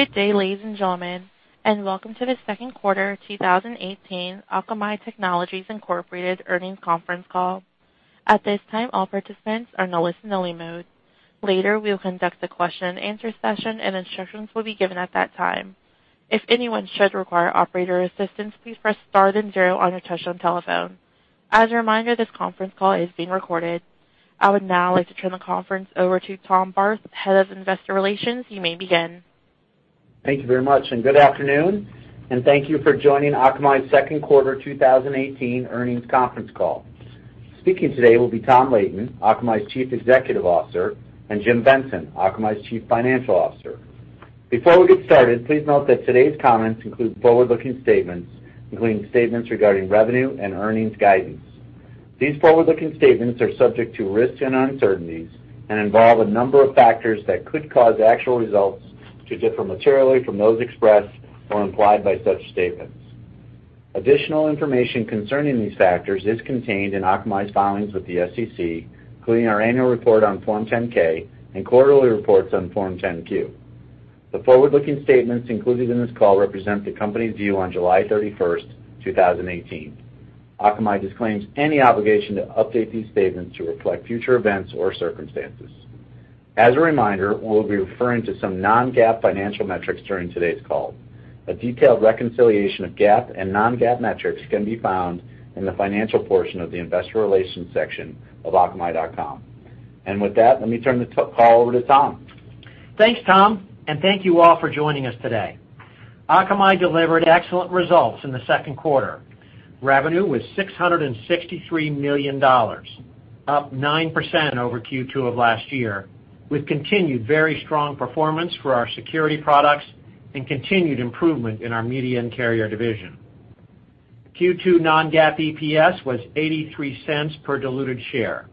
Good day, ladies and gentlemen, and welcome to the second quarter 2018 Akamai Technologies, Inc. earnings conference call. At this time, all participants are in listen-only mode. Later, we will conduct a question and answer session, and instructions will be given at that time. If anyone should require operator assistance, please press star then zero on your touch-tone telephone. As a reminder, this conference call is being recorded. I would now like to turn the conference over to Tom Barth, Head of Investor Relations. You may begin. Thank you very much, and good afternoon, and thank you for joining Akamai's second quarter 2018 earnings conference call. Speaking today will be Tom Leighton, Akamai's Chief Executive Officer, and Jim Benson, Akamai's Chief Financial Officer. Before we get started, please note that today's comments include forward-looking statements, including statements regarding revenue and earnings guidance. These forward-looking statements are subject to risks and uncertainties and involve a number of factors that could cause actual results to differ materially from those expressed or implied by such statements. Additional information concerning these factors is contained in Akamai's filings with the SEC, including our annual report on Form 10-K and quarterly reports on Form 10-Q. The forward-looking statements included in this call represent the company's view on July 31st, 2018. Akamai disclaims any obligation to update these statements to reflect future events or circumstances. As a reminder, we will be referring to some non-GAAP financial metrics during today's call. A detailed reconciliation of GAAP and non-GAAP metrics can be found in the financial portion of the investor relations section of akamai.com. With that, let me turn the call over to Tom. Thanks, Tom, and thank you all for joining us today. Akamai delivered excellent results in the second quarter. Revenue was $663 million, up 9% over Q2 of last year, with continued very strong performance for our security products and continued improvement in our Media and Carrier division. Q2 non-GAAP EPS was $0.83 per diluted share,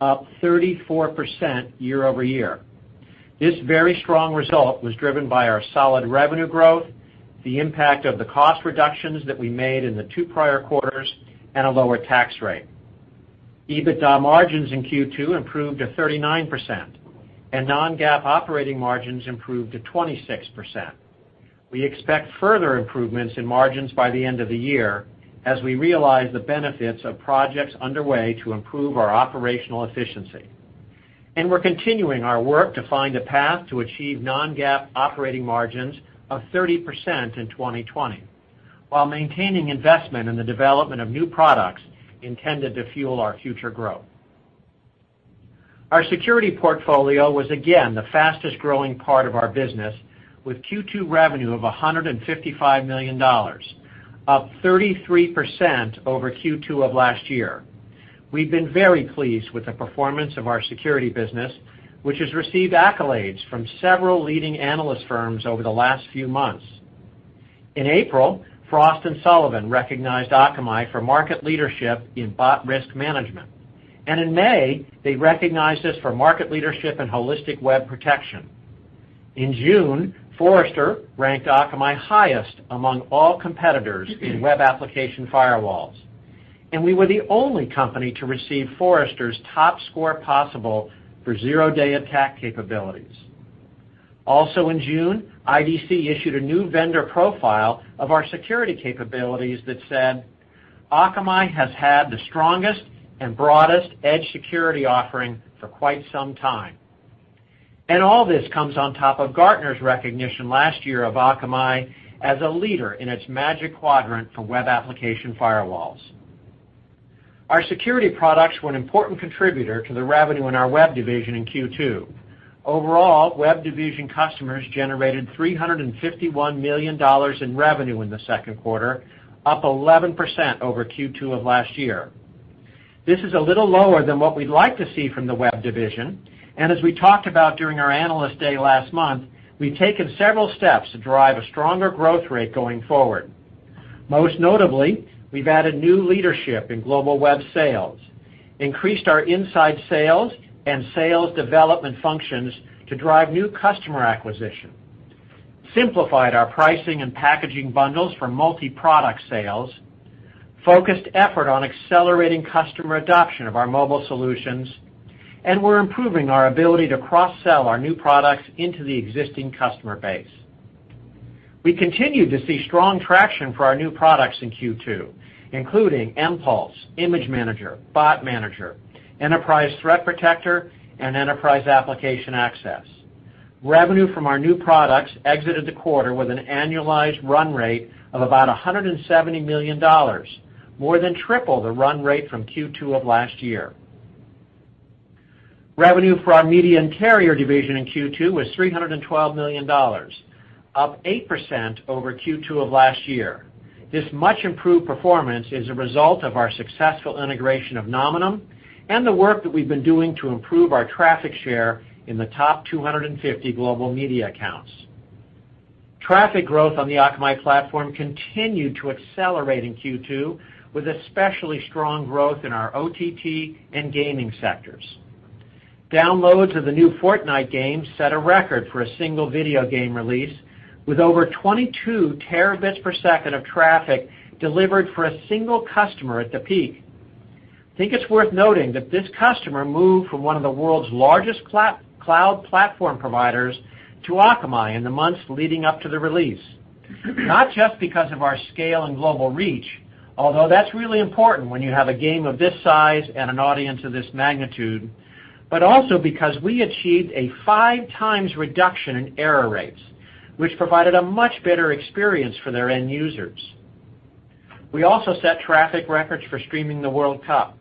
up 34% year-over-year. This very strong result was driven by our solid revenue growth, the impact of the cost reductions that we made in the two prior quarters, and a lower tax rate. EBITDA margins in Q2 improved to 39%, and non-GAAP operating margins improved to 26%. We expect further improvements in margins by the end of the year as we realize the benefits of projects underway to improve our operational efficiency. We're continuing our work to find a path to achieve non-GAAP operating margins of 30% in 2020 while maintaining investment in the development of new products intended to fuel our future growth. Our security portfolio was again the fastest-growing part of our business, with Q2 revenue of $155 million, up 33% over Q2 of last year. We've been very pleased with the performance of our security business, which has received accolades from several leading analyst firms over the last few months. In April, Frost & Sullivan recognized Akamai for market leadership in bot risk management. In May, they recognized us for market leadership in holistic web protection. In June, Forrester ranked Akamai highest among all competitors in Web Application Firewalls, and we were the only company to receive Forrester's top score possible for zero-day attack capabilities. In June, IDC issued a new vendor profile of our security capabilities that said, "Akamai has had the strongest and broadest edge security offering for quite some time." All this comes on top of Gartner's recognition last year of Akamai as a leader in its Magic Quadrant for Web Application Firewalls. Our security products were an important contributor to the revenue in our Web division in Q2. Overall, Web division customers generated $351 million in revenue in the second quarter, up 11% over Q2 of last year. This is a little lower than what we'd like to see from the Web division, and as we talked about during our Analyst Day last month, we've taken several steps to drive a stronger growth rate going forward. Most notably, we've added new leadership in global web sales, increased our inside sales and sales development functions to drive new customer acquisition, simplified our pricing and packaging bundles for multi-product sales, focused effort on accelerating customer adoption of our mobile solutions, and we're improving our ability to cross-sell our new products into the existing customer base. We continue to see strong traction for our new products in Q2, including mPulse, Image Manager, Bot Manager, Enterprise Threat Protector, and Enterprise Application Access. Revenue from our new products exited the quarter with an annualized run rate of about $170 million, more than triple the run rate from Q2 of last year. Revenue for our Media and Carrier division in Q2 was $312 million, up 8% over Q2 of last year. This much-improved performance is a result of our successful integration of Nominum and the work that we've been doing to improve our traffic share in the top 250 global media accounts. Traffic growth on the Akamai platform continued to accelerate in Q2, with especially strong growth in our OTT and gaming sectors. Downloads of the new Fortnite game set a record for a single video game release, with over 22 terabits per second of traffic delivered for a single customer at the peak. I think it's worth noting that this customer moved from one of the world's largest cloud platform providers to Akamai in the months leading up to the release, not just because of our scale and global reach, although that's really important when you have a game of this size and an audience of this magnitude, but also because we achieved a five times reduction in error rates, which provided a much better experience for their end users. We also set traffic records for streaming the World Cup.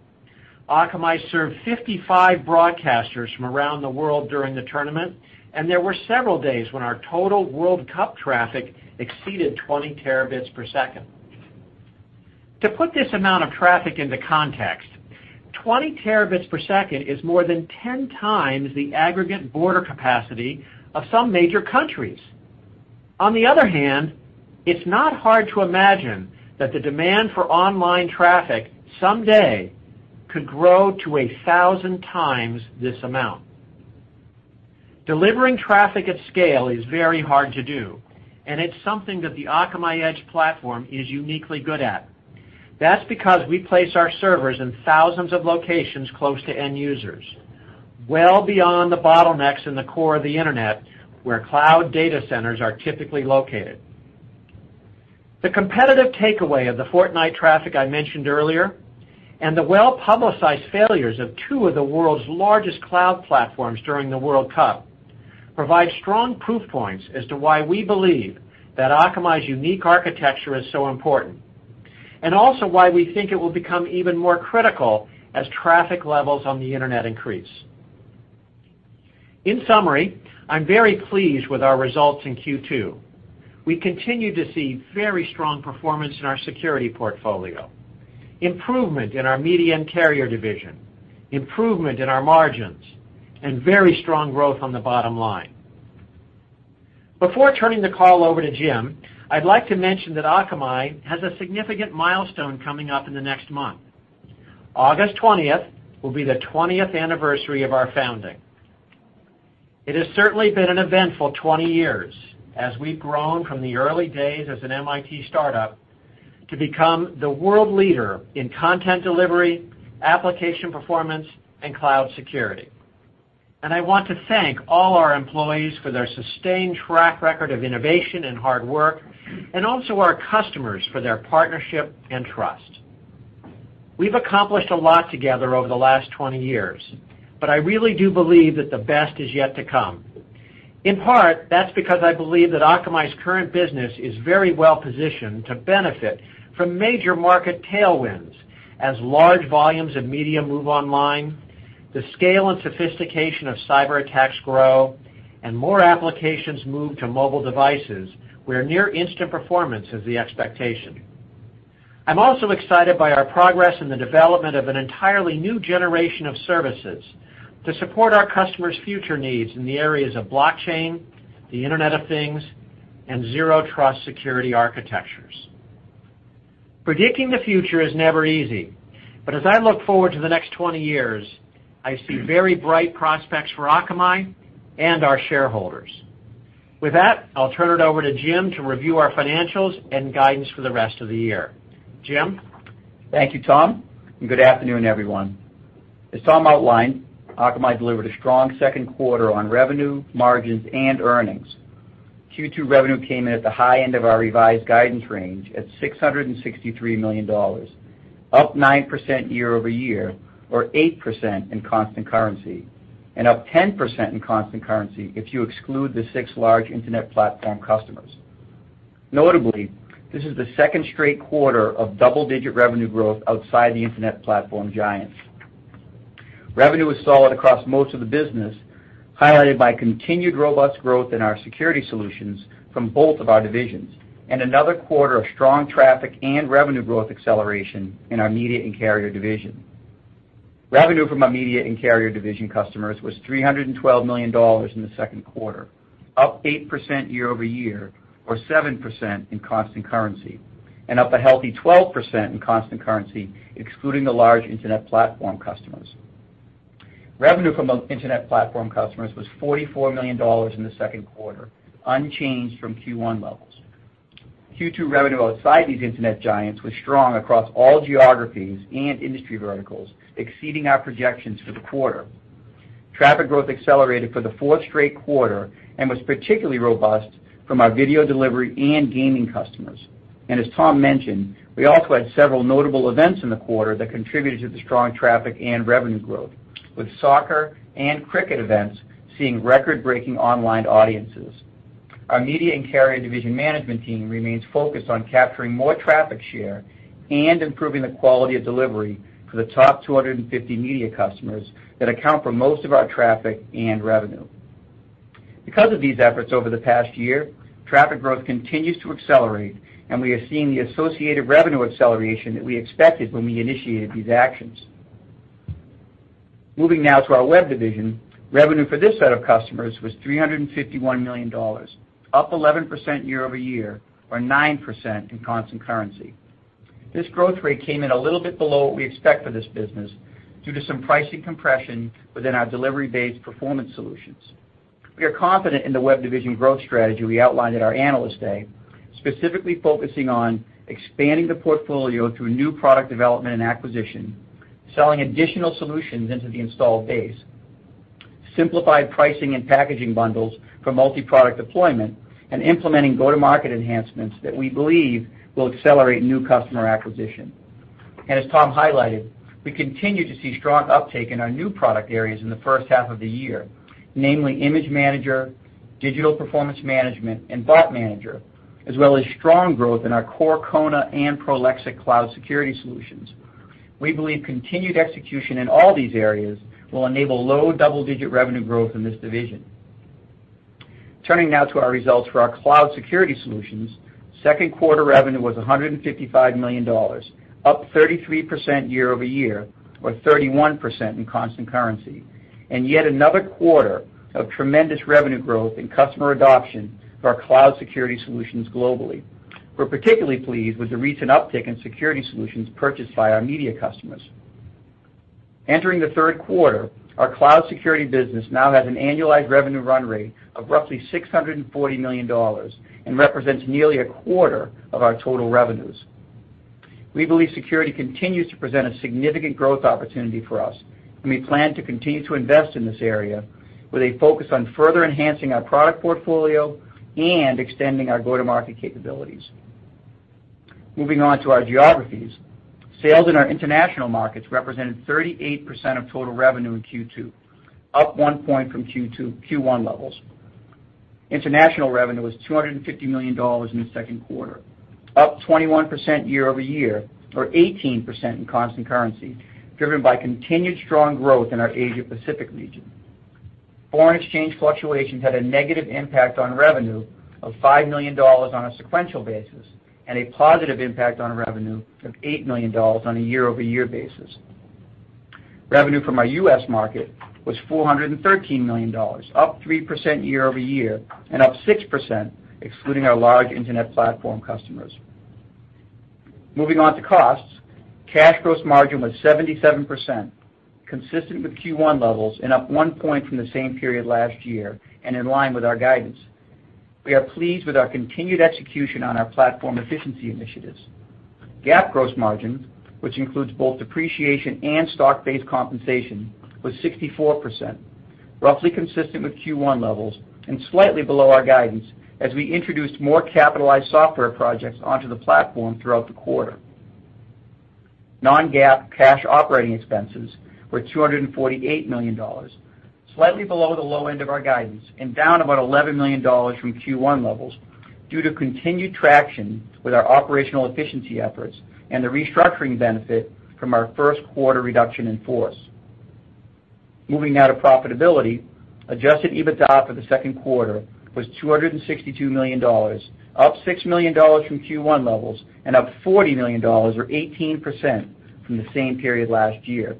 Akamai served 55 broadcasters from around the world during the tournament, and there were several days when our total World Cup traffic exceeded 20 terabits per second. To put this amount of traffic into context, 20 terabits per second is more than 10 times the aggregate border capacity of some major countries. On the other hand, it's not hard to imagine that the demand for online traffic someday could grow to 1,000 times this amount. Delivering traffic at scale is very hard to do, and it's something that the Akamai Edge Platform is uniquely good at. That's because we place our servers in thousands of locations close to end users, well beyond the bottlenecks in the core of the Internet, where cloud data centers are typically located. The competitive takeaway of the Fortnite traffic I mentioned earlier and the well-publicized failures of two of the world's largest cloud platforms during the World Cup provide strong proof points as to why we believe that Akamai's unique architecture is so important, and also why we think it will become even more critical as traffic levels on the Internet increase. In summary, I'm very pleased with our results in Q2. We continue to see very strong performance in our security portfolio, improvement in our Media and Carrier division, improvement in our margins, and very strong growth on the bottom line. Before turning the call over to Jim, I'd like to mention that Akamai has a significant milestone coming up in the next month. August 20th will be the 20th anniversary of our founding. It has certainly been an eventful 20 years as we've grown from the early days as an MIT startup to become the world leader in content delivery, application performance, and cloud security. I want to thank all our employees for their sustained track record of innovation and hard work, and also our customers for their partnership and trust. We've accomplished a lot together over the last 20 years, I really do believe that the best is yet to come. In part, that's because I believe that Akamai's current business is very well-positioned to benefit from major market tailwinds as large volumes of media move online, the scale and sophistication of cyberattacks grow, and more applications move to mobile devices where near-instant performance is the expectation. I'm also excited by our progress in the development of an entirely new generation of services to support our customers' future needs in the areas of blockchain, the Internet of Things, and zero trust security architectures. Predicting the future is never easy, as I look forward to the next 20 years, I see very bright prospects for Akamai and our shareholders. With that, I'll turn it over to Jim to review our financials and guidance for the rest of the year. Jim? Thank you, Tom, and good afternoon, everyone. As Tom outlined, Akamai delivered a strong second quarter on revenue, margins, and earnings. Q2 revenue came in at the high end of our revised guidance range at $663 million, up 9% year-over-year, or 8% in constant currency, and up 10% in constant currency if you exclude the six large Internet platform customers. Notably, this is the second straight quarter of double-digit revenue growth outside the Internet platform giants. Revenue was solid across most of the business, highlighted by continued robust growth in our security solutions from both of our divisions and another quarter of strong traffic and revenue growth acceleration in the Media and Carrier division. Revenue from our Media and Carrier division customers was $312 million in the second quarter, up 8% year-over-year, or 7% in constant currency, and up a healthy 12% in constant currency excluding the large Internet platform customers. Revenue from Internet platform customers was $44 million in the second quarter, unchanged from Q1 levels. Q2 revenue outside these Internet giants was strong across all geographies and industry verticals, exceeding our projections for the quarter. Traffic growth accelerated for the fourth straight quarter and was particularly robust from our video delivery and gaming customers. As Tom mentioned, we also had several notable events in the quarter that contributed to the strong traffic and revenue growth, with soccer and cricket events seeing record-breaking online audiences. Our Media and Carrier division management team remains focused on capturing more traffic share and improving the quality of delivery for the top 250 media customers that account for most of our traffic and revenue. Because of these efforts over the past year, traffic growth continues to accelerate, and we are seeing the associated revenue acceleration that we expected when we initiated these actions. Moving now to our Web division, revenue for this set of customers was $351 million, up 11% year-over-year, or 9% in constant currency. This growth rate came in a little bit below what we expect for this business due to some pricing compression within our delivery-based performance solutions. We are confident in the Web division growth strategy we outlined at our Analyst Day, specifically focusing on expanding the portfolio through new product development and acquisition, selling additional solutions into the installed base, simplified pricing and packaging bundles for multi-product deployment, and implementing go-to-market enhancements that we believe will accelerate new customer acquisition. As Tom highlighted, we continue to see strong uptake in our new product areas in the first half of the year, namely Image Manager, Digital Performance Management, and Bot Manager, as well as strong growth in our core Kona and Prolexic cloud security solutions. We believe continued execution in all these areas will enable low double-digit revenue growth in this division. Turning now to our results for our cloud security solutions. Second quarter revenue was $155 million, up 33% year-over-year, or 31% in constant currency. Yet another quarter of tremendous revenue growth and customer adoption for our cloud security solutions globally. We're particularly pleased with the recent uptick in security solutions purchased by our media customers. Entering the third quarter, our cloud security business now has an annualized revenue run rate of roughly $640 million and represents nearly a quarter of our total revenues. We believe security continues to present a significant growth opportunity for us, and we plan to continue to invest in this area with a focus on further enhancing our product portfolio and extending our go-to-market capabilities. Moving on to our geographies. Sales in our international markets represented 38% of total revenue in Q2, up one point from Q1 levels. International revenue was $250 million in the second quarter, up 21% year-over-year, or 18% in constant currency, driven by continued strong growth in our Asia Pacific region. Foreign exchange fluctuations had a negative impact on revenue of $5 million on a sequential basis and a positive impact on revenue of $8 million on a year-over-year basis. Revenue from our U.S. market was $413 million, up 3% year-over-year and up 6% excluding our large internet platform customers. Moving on to costs. Cash gross margin was 77%, consistent with Q1 levels and up one point from the same period last year. In line with our guidance, we are pleased with our continued execution on our platform efficiency initiatives. GAAP gross margin, which includes both depreciation and stock-based compensation, was 64%, roughly consistent with Q1 levels and slightly below our guidance as we introduced more capitalized software projects onto the platform throughout the quarter. non-GAAP cash operating expenses were $248 million, slightly below the low end of our guidance and down about $11 million from Q1 levels due to continued traction with our operational efficiency efforts and the restructuring benefit from our first quarter reduction in force. Moving now to profitability. Adjusted EBITDA for the second quarter was $262 million, up $6 million from Q1 levels and up $40 million or 18% from the same period last year.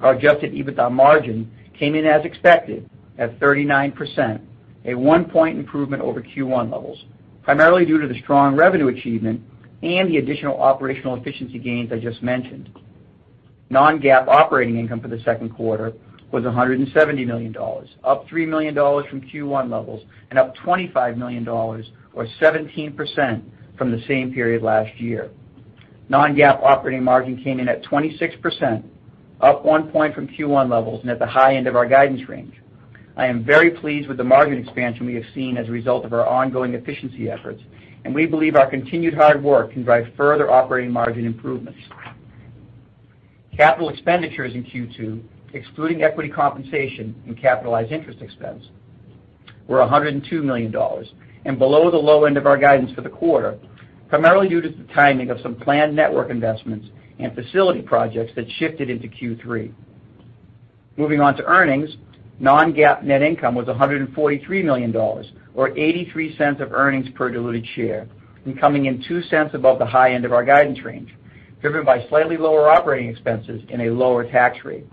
Our adjusted EBITDA margin came in as expected at 39%, a one-point improvement over Q1 levels, primarily due to the strong revenue achievement and the additional operational efficiency gains I just mentioned. non-GAAP operating income for the second quarter was $170 million, up $3 million from Q1 levels and up $25 million or 17% from the same period last year. non-GAAP operating margin came in at 26%, up one point from Q1 levels and at the high end of our guidance range. I am very pleased with the margin expansion we have seen as a result of our ongoing efficiency efforts. We believe our continued hard work can drive further operating margin improvements. Capital expenditures in Q2, excluding equity compensation and capitalized interest expense, were $102 million. Below the low end of our guidance for the quarter, primarily due to the timing of some planned network investments and facility projects that shifted into Q3. Moving on to earnings. Non-GAAP net income was $143 million or $0.83 of earnings per diluted share and coming in $0.02 above the high end of our guidance range, driven by slightly lower operating expenses and a lower tax rate.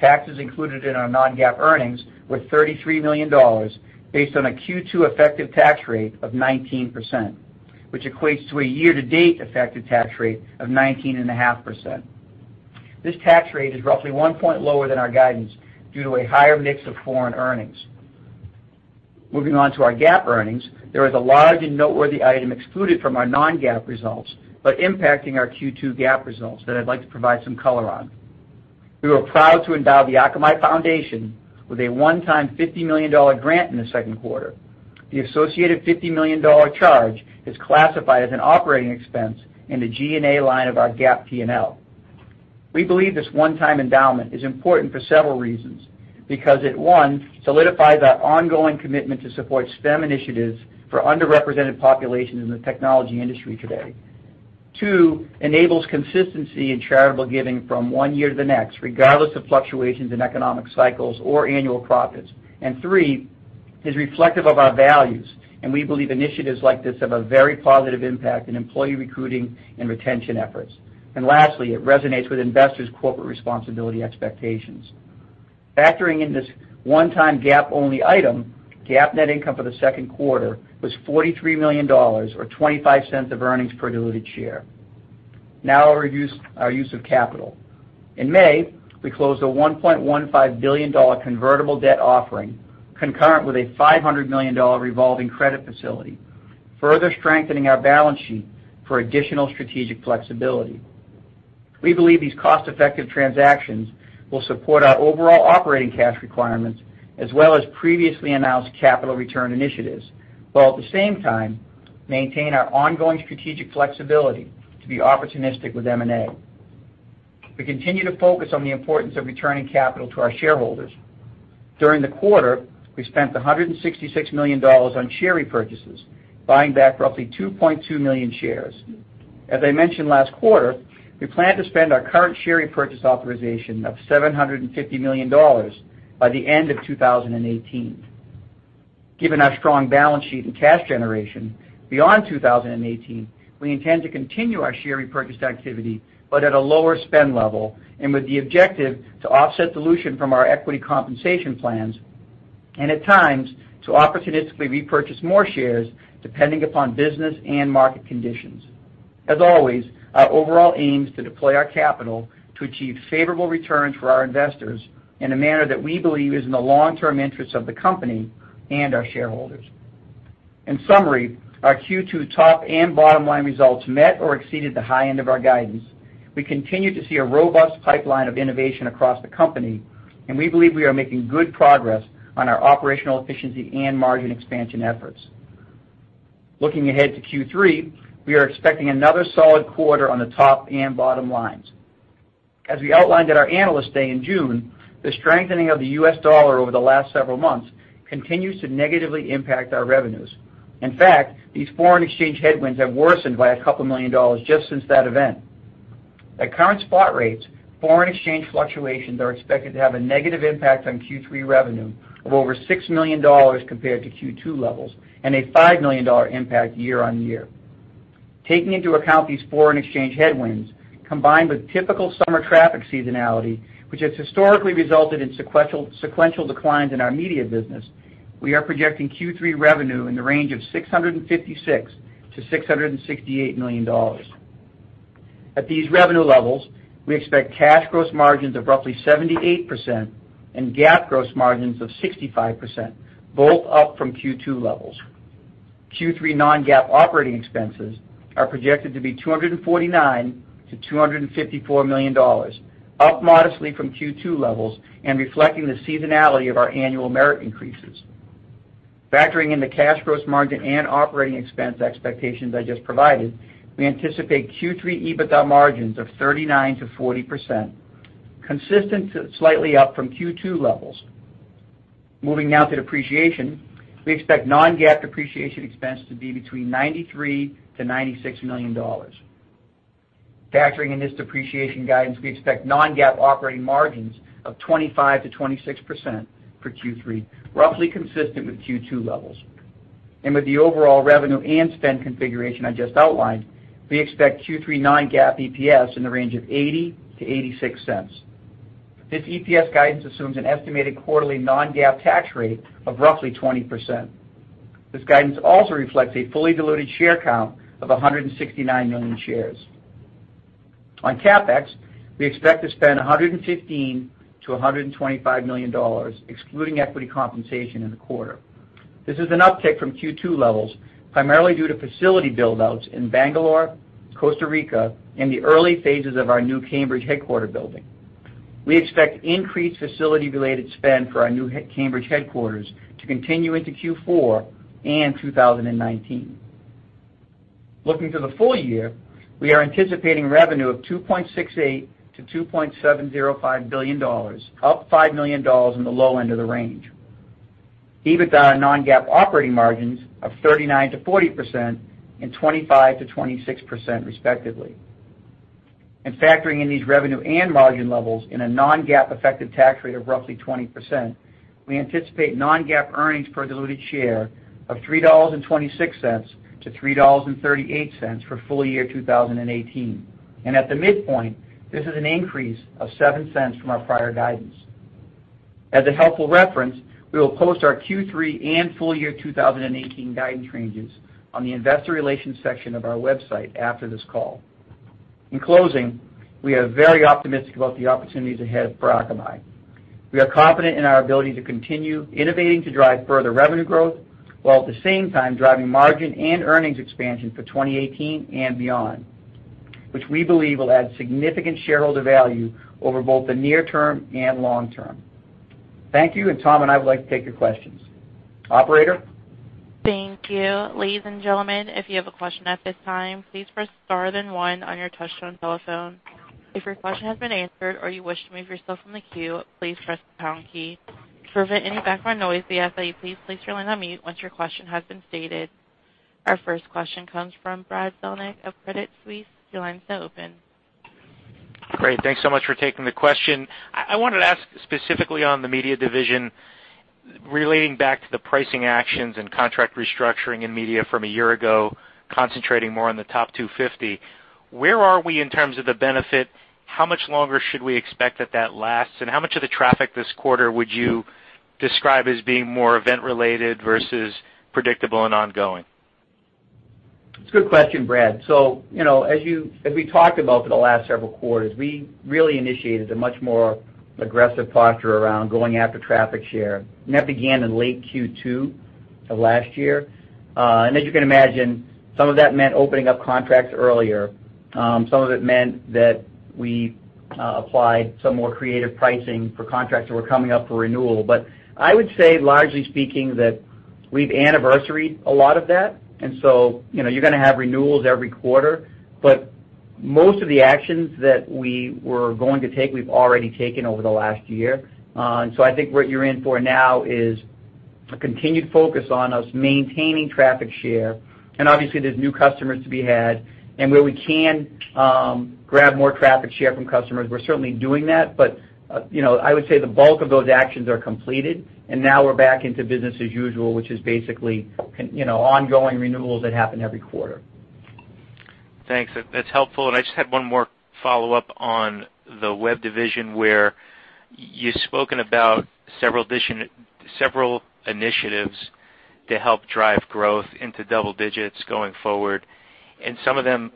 Taxes included in our non-GAAP earnings were $33 million based on a Q2 effective tax rate of 19%, which equates to a year-to-date effective tax rate of 19.5%. This tax rate is roughly one point lower than our guidance due to a higher mix of foreign earnings. Moving on to our GAAP earnings. There is a large and noteworthy item excluded from our non-GAAP results but impacting our Q2 GAAP results that I'd like to provide some color on. We were proud to endow the Akamai Foundation with a one-time $50 million grant in the second quarter. The associated $50 million charge is classified as an operating expense in the G&A line of our GAAP P&L. We believe this one-time endowment is important for several reasons, because it, one, solidifies our ongoing commitment to support STEM initiatives for underrepresented populations in the technology industry today. Two, enables consistency in charitable giving from one year to the next, regardless of fluctuations in economic cycles or annual profits. Three, is reflective of our values, and we believe initiatives like this have a very positive impact in employee recruiting and retention efforts. Lastly, it resonates with investors' corporate responsibility expectations. Factoring in this one-time GAAP-only item, GAAP net income for the second quarter was $43 million or $0.25 of earnings per diluted share. Now our use of capital. In May, we closed a $1.15 billion convertible debt offering concurrent with a $500 million revolving credit facility, further strengthening our balance sheet for additional strategic flexibility. We believe these cost-effective transactions will support our overall operating cash requirements as well as previously announced capital return initiatives, while at the same time, maintain our ongoing strategic flexibility to be opportunistic with M&A. We continue to focus on the importance of returning capital to our shareholders. During the quarter, we spent $166 million on share repurchases, buying back roughly 2.2 million shares. As I mentioned last quarter, we plan to spend our current share repurchase authorization of $750 million by the end of 2018. Given our strong balance sheet and cash generation, beyond 2018, we intend to continue our share repurchase activity, but at a lower spend level, and with the objective to offset dilution from our equity compensation plans, and at times, to opportunistically repurchase more shares, depending upon business and market conditions. As always, our overall aim is to deploy our capital to achieve favorable returns for our investors in a manner that we believe is in the long-term interests of the company and our shareholders. In summary, our Q2 top and bottom line results met or exceeded the high end of our guidance. We continue to see a robust pipeline of innovation across the company, and we believe we are making good progress on our operational efficiency and margin expansion efforts. Looking ahead to Q3, we are expecting another solid quarter on the top and bottom lines. As we outlined at our Analyst Day in June, the strengthening of the U.S. dollar over the last several months continues to negatively impact our revenues. In fact, these foreign exchange headwinds have worsened by a couple million dollars just since that event. At current spot rates, foreign exchange fluctuations are expected to have a negative impact on Q3 revenue of over $6 million compared to Q2 levels and a $5 million impact year-on-year. Taking into account these foreign exchange headwinds, combined with typical summer traffic seasonality, which has historically resulted in sequential declines in our media business, we are projecting Q3 revenue in the range of $656 million-$668 million. At these revenue levels, we expect cash gross margins of roughly 78% and GAAP gross margins of 65%, both up from Q2 levels. Q3 non-GAAP operating expenses are projected to be $249 million-$254 million, up modestly from Q2 levels and reflecting the seasonality of our annual merit increases. Factoring in the cash gross margin and operating expense expectations I just provided, we anticipate Q3 EBITDA margins of 39%-40%, consistent to slightly up from Q2 levels. Moving now to depreciation, we expect non-GAAP depreciation expense to be between $93 million and $96 million. Factoring in this depreciation guidance, we expect non-GAAP operating margins of 25%-26% for Q3, roughly consistent with Q2 levels. With the overall revenue and spend configuration I just outlined, we expect Q3 non-GAAP EPS in the range of $0.80-$0.86. This EPS guidance assumes an estimated quarterly non-GAAP tax rate of roughly 20%. This guidance also reflects a fully diluted share count of 169 million shares. On CapEx, we expect to spend $115 million-$125 million, excluding equity compensation in the quarter. This is an uptick from Q2 levels, primarily due to facility build-outs in Bangalore, Costa Rica, and the early phases of our new Cambridge headquarter building. We expect increased facility-related spend for our new Cambridge headquarters to continue into Q4 and 2019. Looking to the full year, we are anticipating revenue of $2.68 billion-$2.705 billion, up $5 million in the low end of the range. EBITDA and non-GAAP operating margins of 39%-40% and 25%-26% respectively. Factoring in these revenue and margin levels in a non-GAAP effective tax rate of roughly 20%, we anticipate non-GAAP earnings per diluted share of $3.26-$3.38 for full year 2018. At the midpoint, this is an increase of $0.07 from our prior guidance. As a helpful reference, we will post our Q3 and full year 2018 guidance ranges on the investor relations section of our website after this call. In closing, we are very optimistic about the opportunities ahead for Akamai. We are confident in our ability to continue innovating to drive further revenue growth, while at the same time driving margin and earnings expansion for 2018 and beyond, which we believe will add significant shareholder value over both the near term and long term. Thank you, and Tom and I would like to take your questions. Operator? Thank you. Ladies and gentlemen, if you have a question at this time, please press star then one on your touchtone telephone. If your question has been answered or you wish to remove yourself from the queue, please press the pound key. To prevent any background noise, we ask that you please place your line on mute once your question has been stated. Our first question comes from Brad Zelnick of Credit Suisse. Your line's now open. Great. Thanks so much for taking the question. I wanted to ask specifically on the media division, relating back to the pricing actions and contract restructuring in media from a year ago, concentrating more on the top 250. Where are we in terms of the benefit? How much longer should we expect that that lasts, and how much of the traffic this quarter would you describe as being more event-related versus predictable and ongoing. It's a good question, Brad. As we talked about for the last several quarters, we really initiated a much more aggressive posture around going after traffic share, and that began in late Q2 of last year. As you can imagine, some of that meant opening up contracts earlier. Some of it meant that we applied some more creative pricing for contracts that were coming up for renewal. I would say, largely speaking, that we've anniversaried a lot of that, and so you're going to have renewals every quarter. Most of the actions that we were going to take, we've already taken over the last year. I think what you're in for now is a continued focus on us maintaining traffic share, and obviously there's new customers to be had, and where we can grab more traffic share from customers, we're certainly doing that. I would say the bulk of those actions are completed, and now we're back into business as usual, which is basically ongoing renewals that happen every quarter. Thanks. That's helpful. I just had one more follow-up on the Web division, where you've spoken about several initiatives to help drive growth into double-digits going forward, and some of them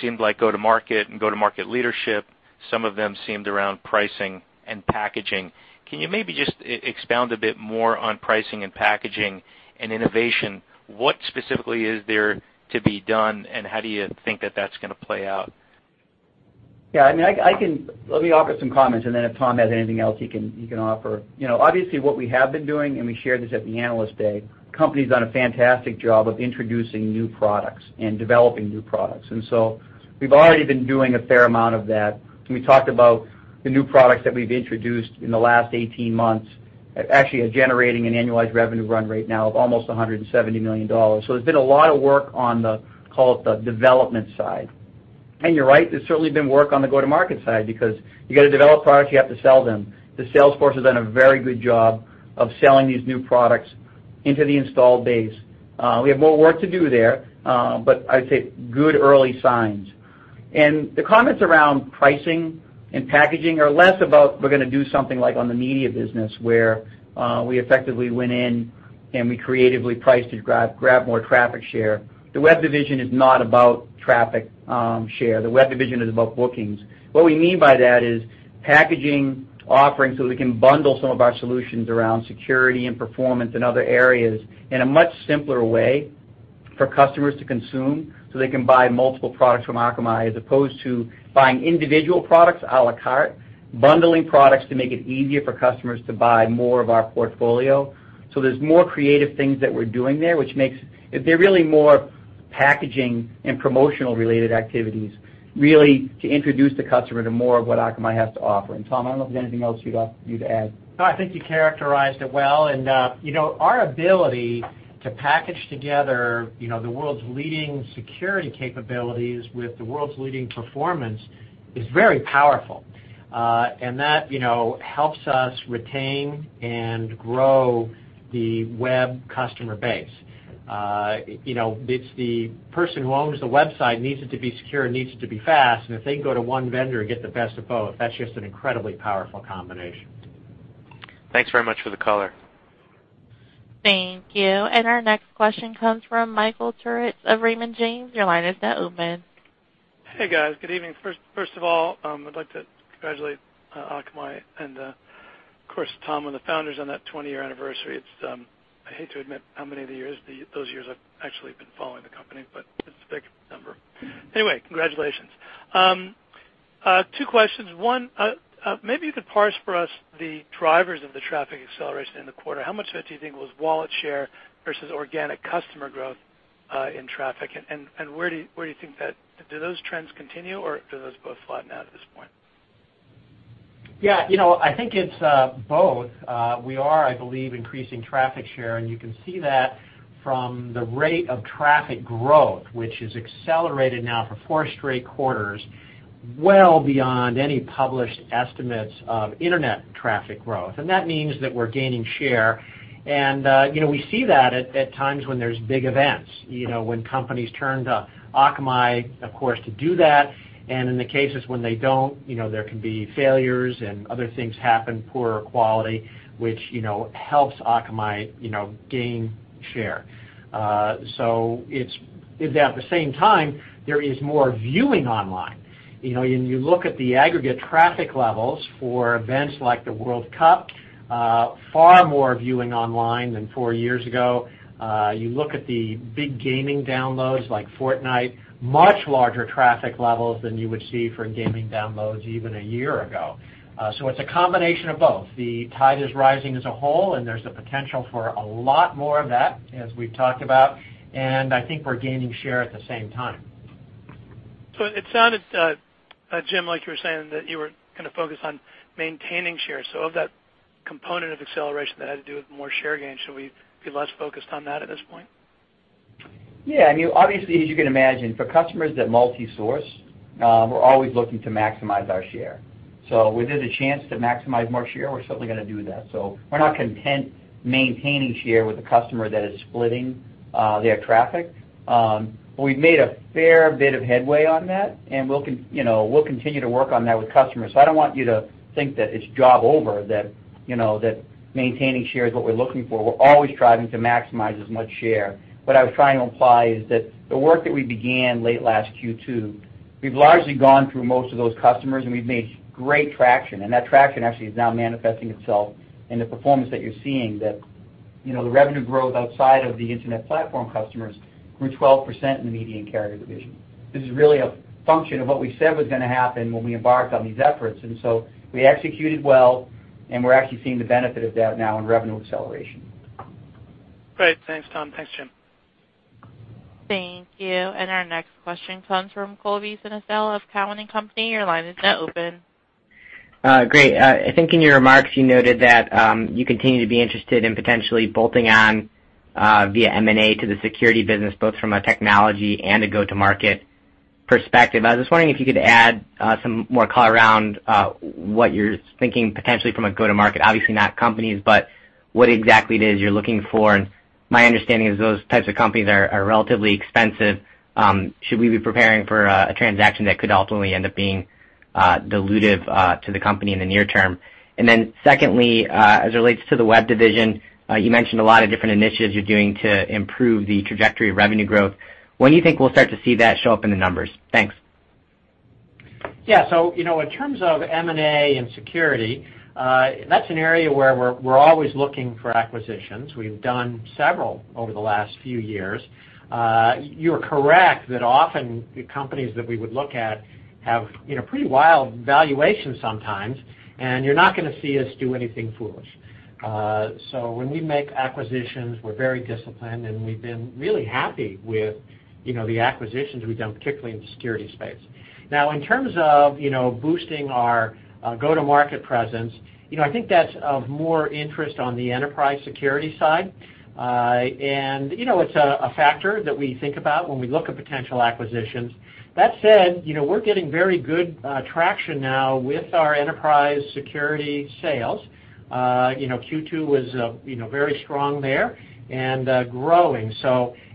seemed like go-to-market and go-to-market leadership. Some of them seemed around pricing and packaging. Can you maybe just expound a bit more on pricing and packaging and innovation? What specifically is there to be done, and how do you think that that's going to play out? Yeah. Let me offer some comments, then if Tom has anything else he can offer. Obviously, what we have been doing, and we shared this at the Analyst Day, company's done a fantastic job of introducing new products and developing new products. We've already been doing a fair amount of that. We talked about the new products that we've introduced in the last 18 months, actually are generating an annualized revenue run rate now of almost $170 million. There's been a lot of work on the, call it, the development side. You're right, there's certainly been work on the go-to-market side, because you got to develop products, you have to sell them. The sales force has done a very good job of selling these new products into the installed base. We have more work to do there, but I'd say good early signs. The comments around pricing and packaging are less about we're going to do something like on the Media business, where we effectively went in and we creatively priced to grab more traffic share. The Web division is not about traffic share. The Web division is about bookings. What we mean by that is packaging offerings so we can bundle some of our solutions around security and performance in other areas in a much simpler way for customers to consume, so they can buy multiple products from Akamai as opposed to buying individual products à la carte, bundling products to make it easier for customers to buy more of our portfolio. There's more creative things that we're doing there. They're really more packaging and promotional-related activities, really to introduce the customer to more of what Akamai has to offer. Tom, I don't know if there's anything else you'd add. No, I think you characterized it well. Our ability to package together the world's leading security capabilities with the world's leading performance is very powerful. That helps us retain and grow the web customer base. It's the person who owns the website needs it to be secure and needs it to be fast, and if they can go to one vendor and get the best of both, that's just an incredibly powerful combination. Thanks very much for the color. Thank you. Our next question comes from Michael Turits of Raymond James. Your line is now open. Hey, guys. Good evening. First of all, I'd like to congratulate Akamai and, of course, Tom and the founders on that 20-year anniversary. I hate to admit how many of those years I've actually been following the company, but it's a big number. Anyway, congratulations. Two questions. One, maybe you could parse for us the drivers of the traffic acceleration in the quarter. How much of it do you think was wallet share versus organic customer growth in traffic, and where do you think Do those trends continue, or do those both flatten out at this point? Yeah. I think it's both. We are, I believe, increasing traffic share, and you can see that from the rate of traffic growth, which has accelerated now for four straight quarters, well beyond any published estimates of internet traffic growth. That means that we're gaining share. We see that at times when there's big events, when companies turn to Akamai, of course, to do that. In the cases when they don't, there can be failures and other things happen, poorer quality, which helps Akamai gain share. It's that at the same time, there is more viewing online. When you look at the aggregate traffic levels for events like the World Cup, far more viewing online than four years ago. You look at the big gaming downloads like Fortnite, much larger traffic levels than you would see for gaming downloads even a year ago. It's a combination of both. The tide is rising as a whole, and there's the potential for a lot more of that, as we've talked about, and I think we're gaining share at the same time. It sounded, Jim, like you were saying that you were kind of focused on maintaining share. Of that component of acceleration that had to do with more share gains, should we be less focused on that at this point? Yeah. Obviously, as you can imagine, for customers that multi-source, we're always looking to maximize our share. Where there's a chance to maximize more share, we're certainly going to do that. We're not content maintaining share with a customer that is splitting their traffic. We've made a fair bit of headway on that, and we'll continue to work on that with customers. I don't want you to think that it's job over, that maintaining share is what we're looking for. We're always striving to maximize as much share. What I was trying to imply is that the work that we began late last Q2, we've largely gone through most of those customers, and we've made great traction. That traction actually is now manifesting itself in the performance that you're seeing, that the revenue growth outside of the internet platform customers grew 12% in the Media and Carrier division. This is really a function of what we said was going to happen when we embarked on these efforts. We executed well, and we're actually seeing the benefit of that now in revenue acceleration. Great. Thanks, Tom. Thanks, Jim. Thank you. Our next question comes from Colby Synesael of Cowen and Company. Your line is now open. Great. I think in your remarks, you noted that you continue to be interested in potentially bolting on via M&A to the security business, both from a technology and a go-to-market perspective. I was just wondering if you could add some more color around what you're thinking potentially from a go-to-market. Obviously, not companies, but what exactly it is you're looking for. My understanding is those types of companies are relatively expensive. Should we be preparing for a transaction that could ultimately end up being dilutive to the company in the near term? Secondly, as it relates to the Web Division, you mentioned a lot of different initiatives you're doing to improve the trajectory of revenue growth. When do you think we'll start to see that show up in the numbers? Thanks. Yeah. In terms of M&A and security, that's an area where we're always looking for acquisitions. We've done several over the last few years. You're correct that often the companies that we would look at have pretty wild valuations sometimes, and you're not going to see us do anything foolish. When we make acquisitions, we're very disciplined, and we've been really happy with the acquisitions we've done, particularly in the security space. Now, in terms of boosting our go-to-market presence, I think that's of more interest on the enterprise security side. It's a factor that we think about when we look at potential acquisitions. That said, we're getting very good traction now with our enterprise security sales. Q2 was very strong there and growing.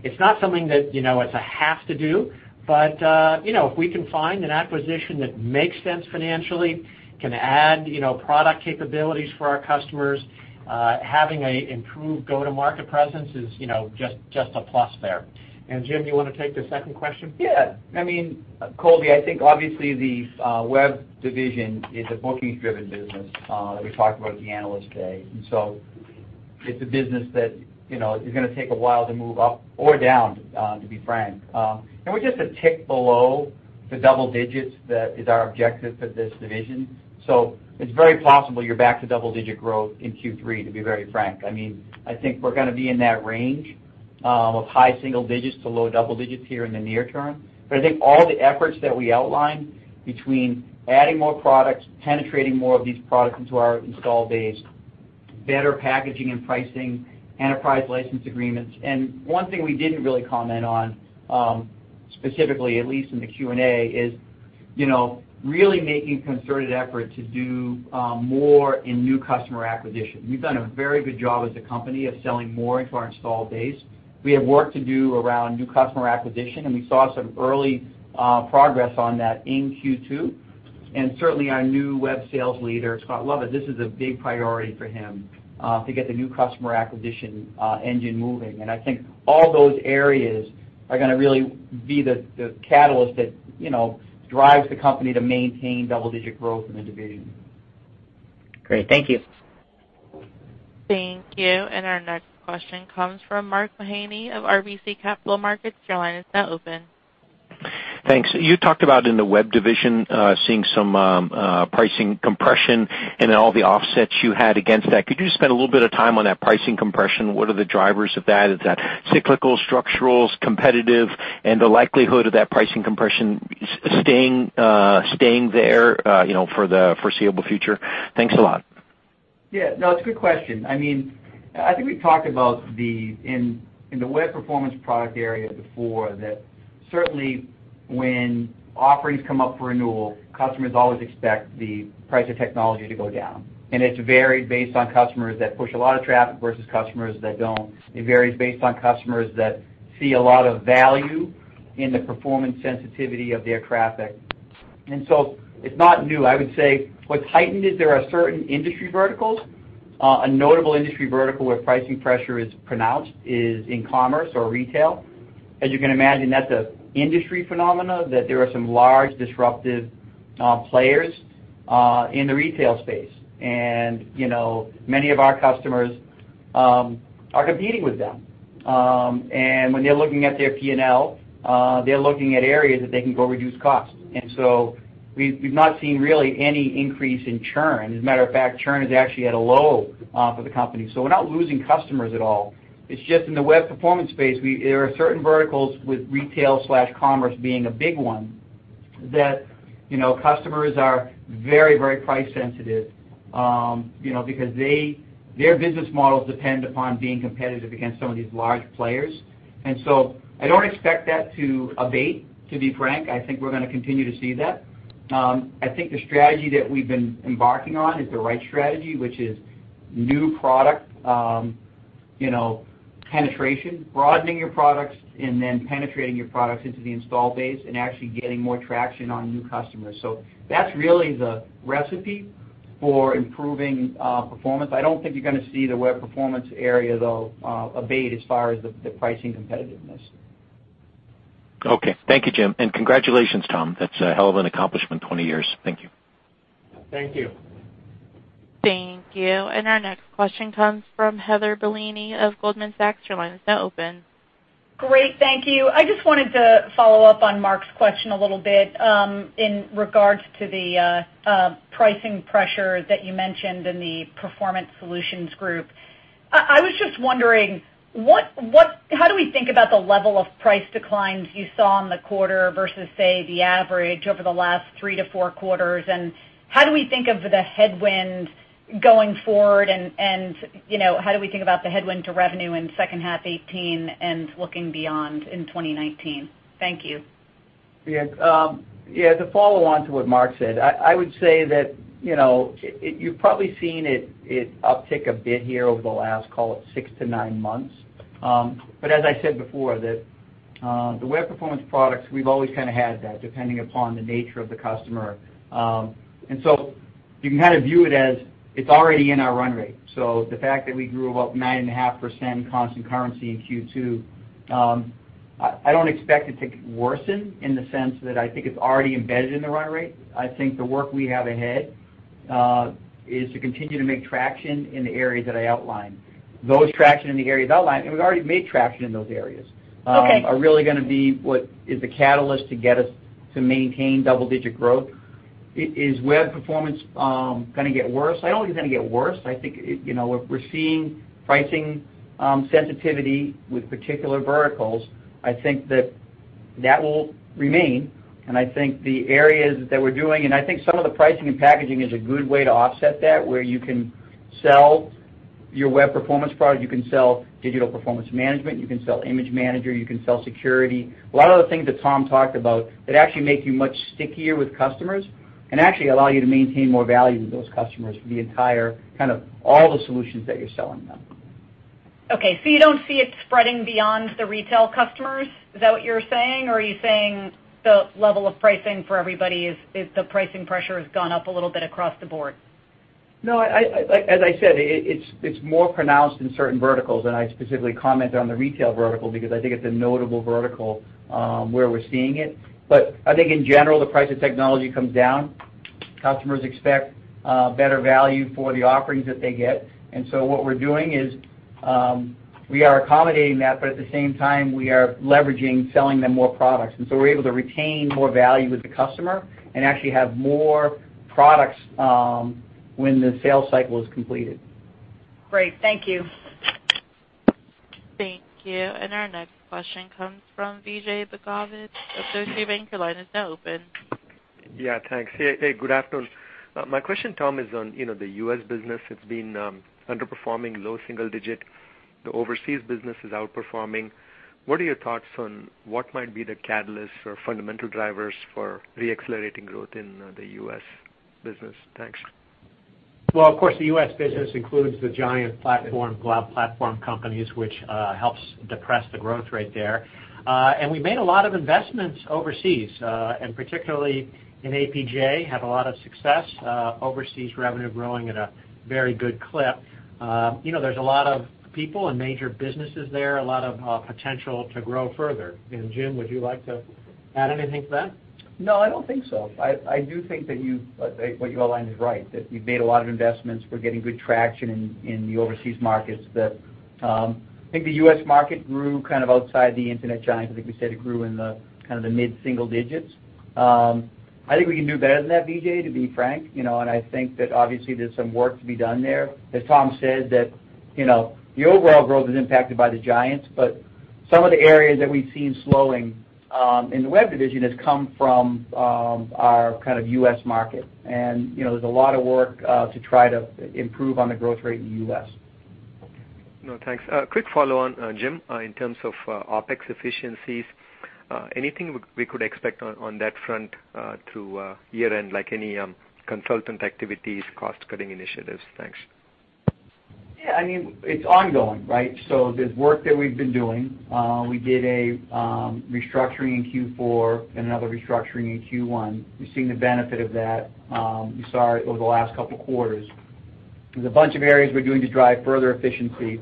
It's not something that it's a have-to-do, but if we can find an acquisition that makes sense financially, can add product capabilities for our customers, having an improved go-to-market presence is just a plus there. Jim, you want to take the second question? Yeah. Colby, I think obviously the Web Division is a bookings-driven business that we talked about at the Analyst Day. It's a business that is going to take a while to move up or down, to be frank. We're just a tick below the double digits that is our objective for this division. It's very possible you're back to double-digit growth in Q3, to be very frank. I think we're going to be in that range of high single digits to low double digits here in the near term. I think all the efforts that we outlined between adding more products, penetrating more of these products into our installed base, better packaging and pricing, enterprise license agreements. One thing we didn't really comment on, specifically, at least in the Q&A, is really making concerted effort to do more in new customer acquisition. We've done a very good job as a company of selling more into our installed base. We have work to do around new customer acquisition, and we saw some early progress on that in Q2. Certainly, our new web sales leader, Scott Lovett, this is a big priority for him, to get the new customer acquisition engine moving. I think all those areas are going to really be the catalyst that drives the company to maintain double-digit growth in the division. Great. Thank you. Thank you. Our next question comes from Mark Mahaney of RBC Capital Markets. Your line is now open. Thanks. You talked about in the Web Division, seeing some pricing compression and all the offsets you had against that. Could you just spend a little bit of time on that pricing compression? What are the drivers of that? Is that cyclical, structural, competitive, the likelihood of that pricing compression staying there for the foreseeable future? Thanks a lot. Yeah, no, it's a good question. I think we've talked about in the web performance product area before that certainly when offerings come up for renewal, customers always expect the price of technology to go down. It's varied based on customers that push a lot of traffic versus customers that don't. It varies based on customers that see a lot of value in the performance sensitivity of their traffic. So it's not new. I would say what's heightened is there are certain industry verticals. A notable industry vertical where pricing pressure is pronounced is in commerce or retail. As you can imagine, that's an industry phenomenon that there are some large disruptive players in the retail space. Many of our customers are competing with them. When they're looking at their P&L, they're looking at areas that they can go reduce costs. We've not seen really any increase in churn. As a matter of fact, churn is actually at a low for the company. We're not losing customers at all. It's just in the web performance space, there are certain verticals with retail/commerce being a big one, that customers are very price sensitive because their business models depend upon being competitive against some of these large players. I don't expect that to abate, to be frank. I think we're going to continue to see that. I think the strategy that we've been embarking on is the right strategy, which is new product penetration. Broadening your products and then penetrating your products into the install base and actually getting more traction on new customers. That's really the recipe for improving performance. I don't think you're going to see the web performance area, though, abate as far as the pricing competitiveness. Okay. Thank you, Jim, and congratulations, Tom. That's a hell of an accomplishment, 20 years. Thank you. Thank you. Thank you. Our next question comes from Heather Bellini of Goldman Sachs. Your line is now open. Great. Thank you. I just wanted to follow up on Mark's question a little bit, in regards to the pricing pressure that you mentioned in the Performance Solutions group. I was just wondering, how do we think about the level of price declines you saw in the quarter versus, say, the average over the last three to four quarters? How do we think of the headwind going forward, and how do we think about the headwind to revenue in second half 2018 and looking beyond in 2019? Thank you. Yeah. To follow on to what Mark said, I would say that you've probably seen it uptick a bit here over the last, call it, six to nine months. As I said before, that the web performance products, we've always kind of had that, depending upon the nature of the customer. You can view it as it's already in our run rate. The fact that we grew about 9.5% constant currency in Q2, I don't expect it to worsen in the sense that I think it's already embedded in the run rate. I think the work we have ahead is to continue to make traction in the areas that I outlined. Those traction in the areas outlined, and we've already made traction in those areas- Okay are really going to be what is the catalyst to get us to maintain double-digit growth. Is web performance going to get worse? I don't think it's going to get worse. I think we're seeing pricing sensitivity with particular verticals. I think that that will remain, and I think the areas that we're doing, and I think some of the pricing and packaging is a good way to offset that, where you can sell your web performance product, you can sell Digital Performance Management, you can sell Image Manager, you can sell security. A lot of the things that Tom talked about that actually make you much stickier with customers and actually allow you to maintain more value to those customers for the entire kind of all the solutions that you're selling them. Okay, you don't see it spreading beyond the retail customers? Is that what you're saying? Are you saying the level of pricing for everybody is the pricing pressure has gone up a little bit across the board? No, as I said, it's more pronounced in certain verticals. I specifically comment on the retail vertical because I think it's a notable vertical, where we're seeing it. I think in general, the price of technology comes down. Customers expect better value for the offerings that they get. What we're doing is, we are accommodating that, but at the same time, we are leveraging selling them more products. We're able to retain more value with the customer and actually have more products when the sales cycle is completed. Great. Thank you. Thank you. Our next question comes from Vijay Bhagavath of Deutsche Bank. Your line is now open. Yeah, thanks. Hey, good afternoon. My question, Tom, is on the U.S. business. It's been underperforming low single digit. The overseas business is outperforming. What are your thoughts on what might be the catalyst or fundamental drivers for re-accelerating growth in the U.S. business? Thanks. Well, of course, the U.S. business includes the giant platform, cloud platform companies, which helps depress the growth rate there. We made a lot of investments overseas, and particularly in APJ, had a lot of success. Overseas revenue growing at a very good clip. There's a lot of people and major businesses there, a lot of potential to grow further. Jim, would you like to add anything to that? No, I don't think so. I do think that what you outlined is right, that we've made a lot of investments. We're getting good traction in the overseas markets. I think the U.S. market grew kind of outside the internet giant. I think we said it grew in the mid-single digits. I think we can do better than that, Vijay, to be frank. I think that obviously there's some work to be done there. As Tom said, that the overall growth is impacted by the giants, but some of the areas that we've seen slowing in the web division has come from our U.S. market. There's a lot of work to try to improve on the growth rate in the U.S. No, thanks. A quick follow-on, Jim, in terms of OpEx efficiencies, anything we could expect on that front through year-end, like any consultant activities, cost-cutting initiatives? Thanks. Yeah. It's ongoing, right? There's work that we've been doing. We did a restructuring in Q4 and another restructuring in Q1. We've seen the benefit of that. We saw it over the last couple of quarters. There's a bunch of areas we're doing to drive further efficiency.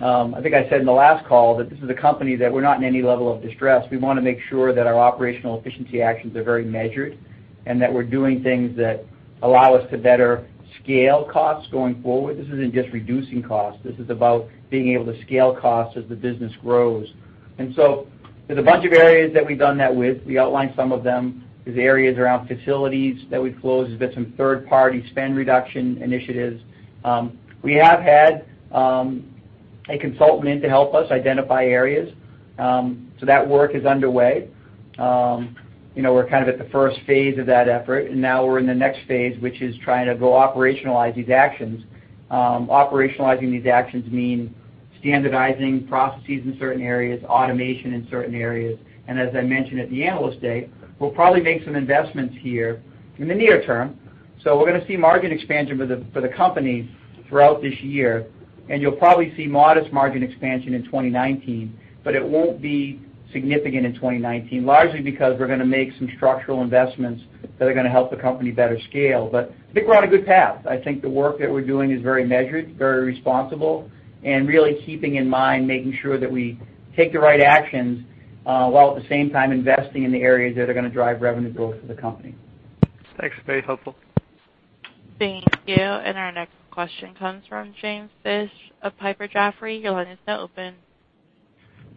I think I said in the last call that this is a company that we're not in any level of distress. We want to make sure that our operational efficiency actions are very measured and that we're doing things that allow us to better scale costs going forward. This isn't just reducing costs. This is about being able to scale costs as the business grows. There's a bunch of areas that we've done that with. We outlined some of them. There's areas around facilities that we've closed. There's been some third-party spend reduction initiatives. We have had a consultant in to help us identify areas. That work is underway. We're at the first phase of that effort, and now we're in the next phase, which is trying to go operationalize these actions. Operationalizing these actions mean Standardizing processes in certain areas, automation in certain areas, and as I mentioned at the Analyst Day, we'll probably make some investments here in the near term. We're going to see margin expansion for the company throughout this year, and you'll probably see modest margin expansion in 2019, but it won't be significant in 2019, largely because we're going to make some structural investments that are going to help the company better scale. I think we're on a good path. I think the work that we're doing is very measured, very responsible, and really keeping in mind, making sure that we take the right actions, while at the same time investing in the areas that are going to drive revenue growth for the company. Thanks. Very helpful. Thank you. Our next question comes from James Fish of Piper Jaffray. Your line is now open.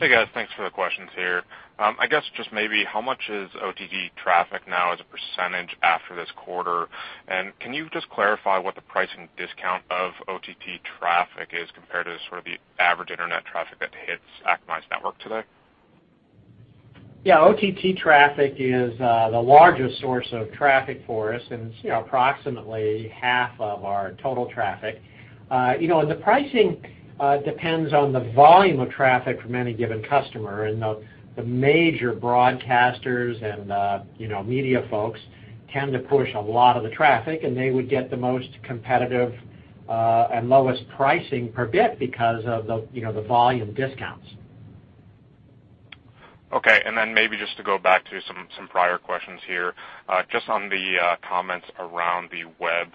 Hey, guys. Thanks for the questions here. I guess, just maybe how much is OTT traffic now as a percentage after this quarter? Can you just clarify what the pricing discount of OTT traffic is compared to sort of the average internet traffic that hits Akamai's network today? Yeah. OTT traffic is the largest source of traffic for us and it's approximately half of our total traffic. The pricing depends on the volume of traffic from any given customer and the major broadcasters and media folks tend to push a lot of the traffic, and they would get the most competitive, and lowest pricing per bit because of the volume discounts. Okay, then maybe just to go back to some prior questions here, just on the comments around the web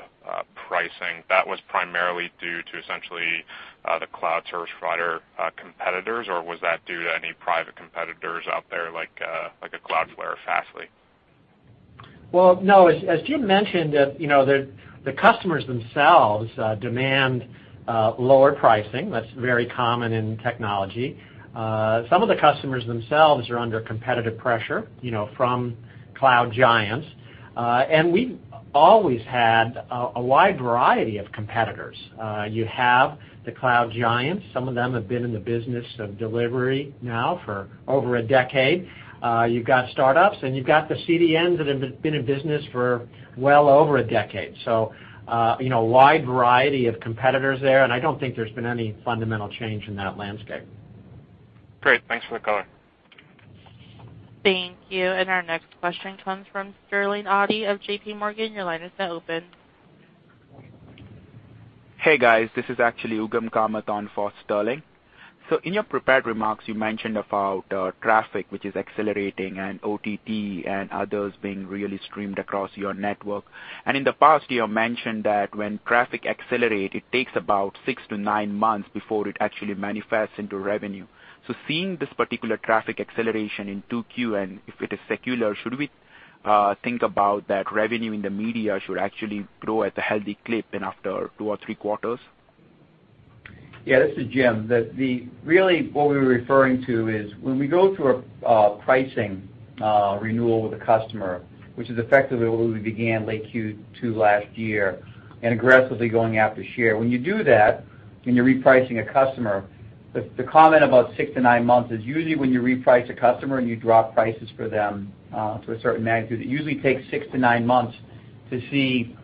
pricing, that was primarily due to essentially, the cloud service provider competitors, or was that due to any private competitors out there, like a Cloudflare or Fastly? Well, no, as Jim mentioned, the customers themselves demand lower pricing. That's very common in technology. Some of the customers themselves are under competitive pressure from cloud giants. We've always had a wide variety of competitors. You have the cloud giants. Some of them have been in the business of delivery now for over a decade. You've got startups, and you've got the CDNs that have been in business for well over a decade. A wide variety of competitors there, and I don't think there's been any fundamental change in that landscape. Great. Thanks for the color. Thank you. Our next question comes from Sterling Auty of J.P. Morgan. Your line is now open. Hey, guys, this is actually Ugam Kamat for Sterling. In your prepared remarks, you mentioned about traffic, which is accelerating and OTT and others being really streamed across your network. In the past, you have mentioned that when traffic accelerate, it takes about six to nine months before it actually manifests into revenue. Seeing this particular traffic acceleration in 2Q, and if it is secular, should we think about that revenue in the media should actually grow at a healthy clip and after two or three quarters? This is Jim. What we were referring to is when we go through a pricing renewal with a customer, which is effectively when we began late Q2 last year and aggressively going after share. When you do that, when you're repricing a customer, the comment about six to nine months is usually when you reprice a customer and you drop prices for them, to a certain magnitude, it usually takes six to nine months to see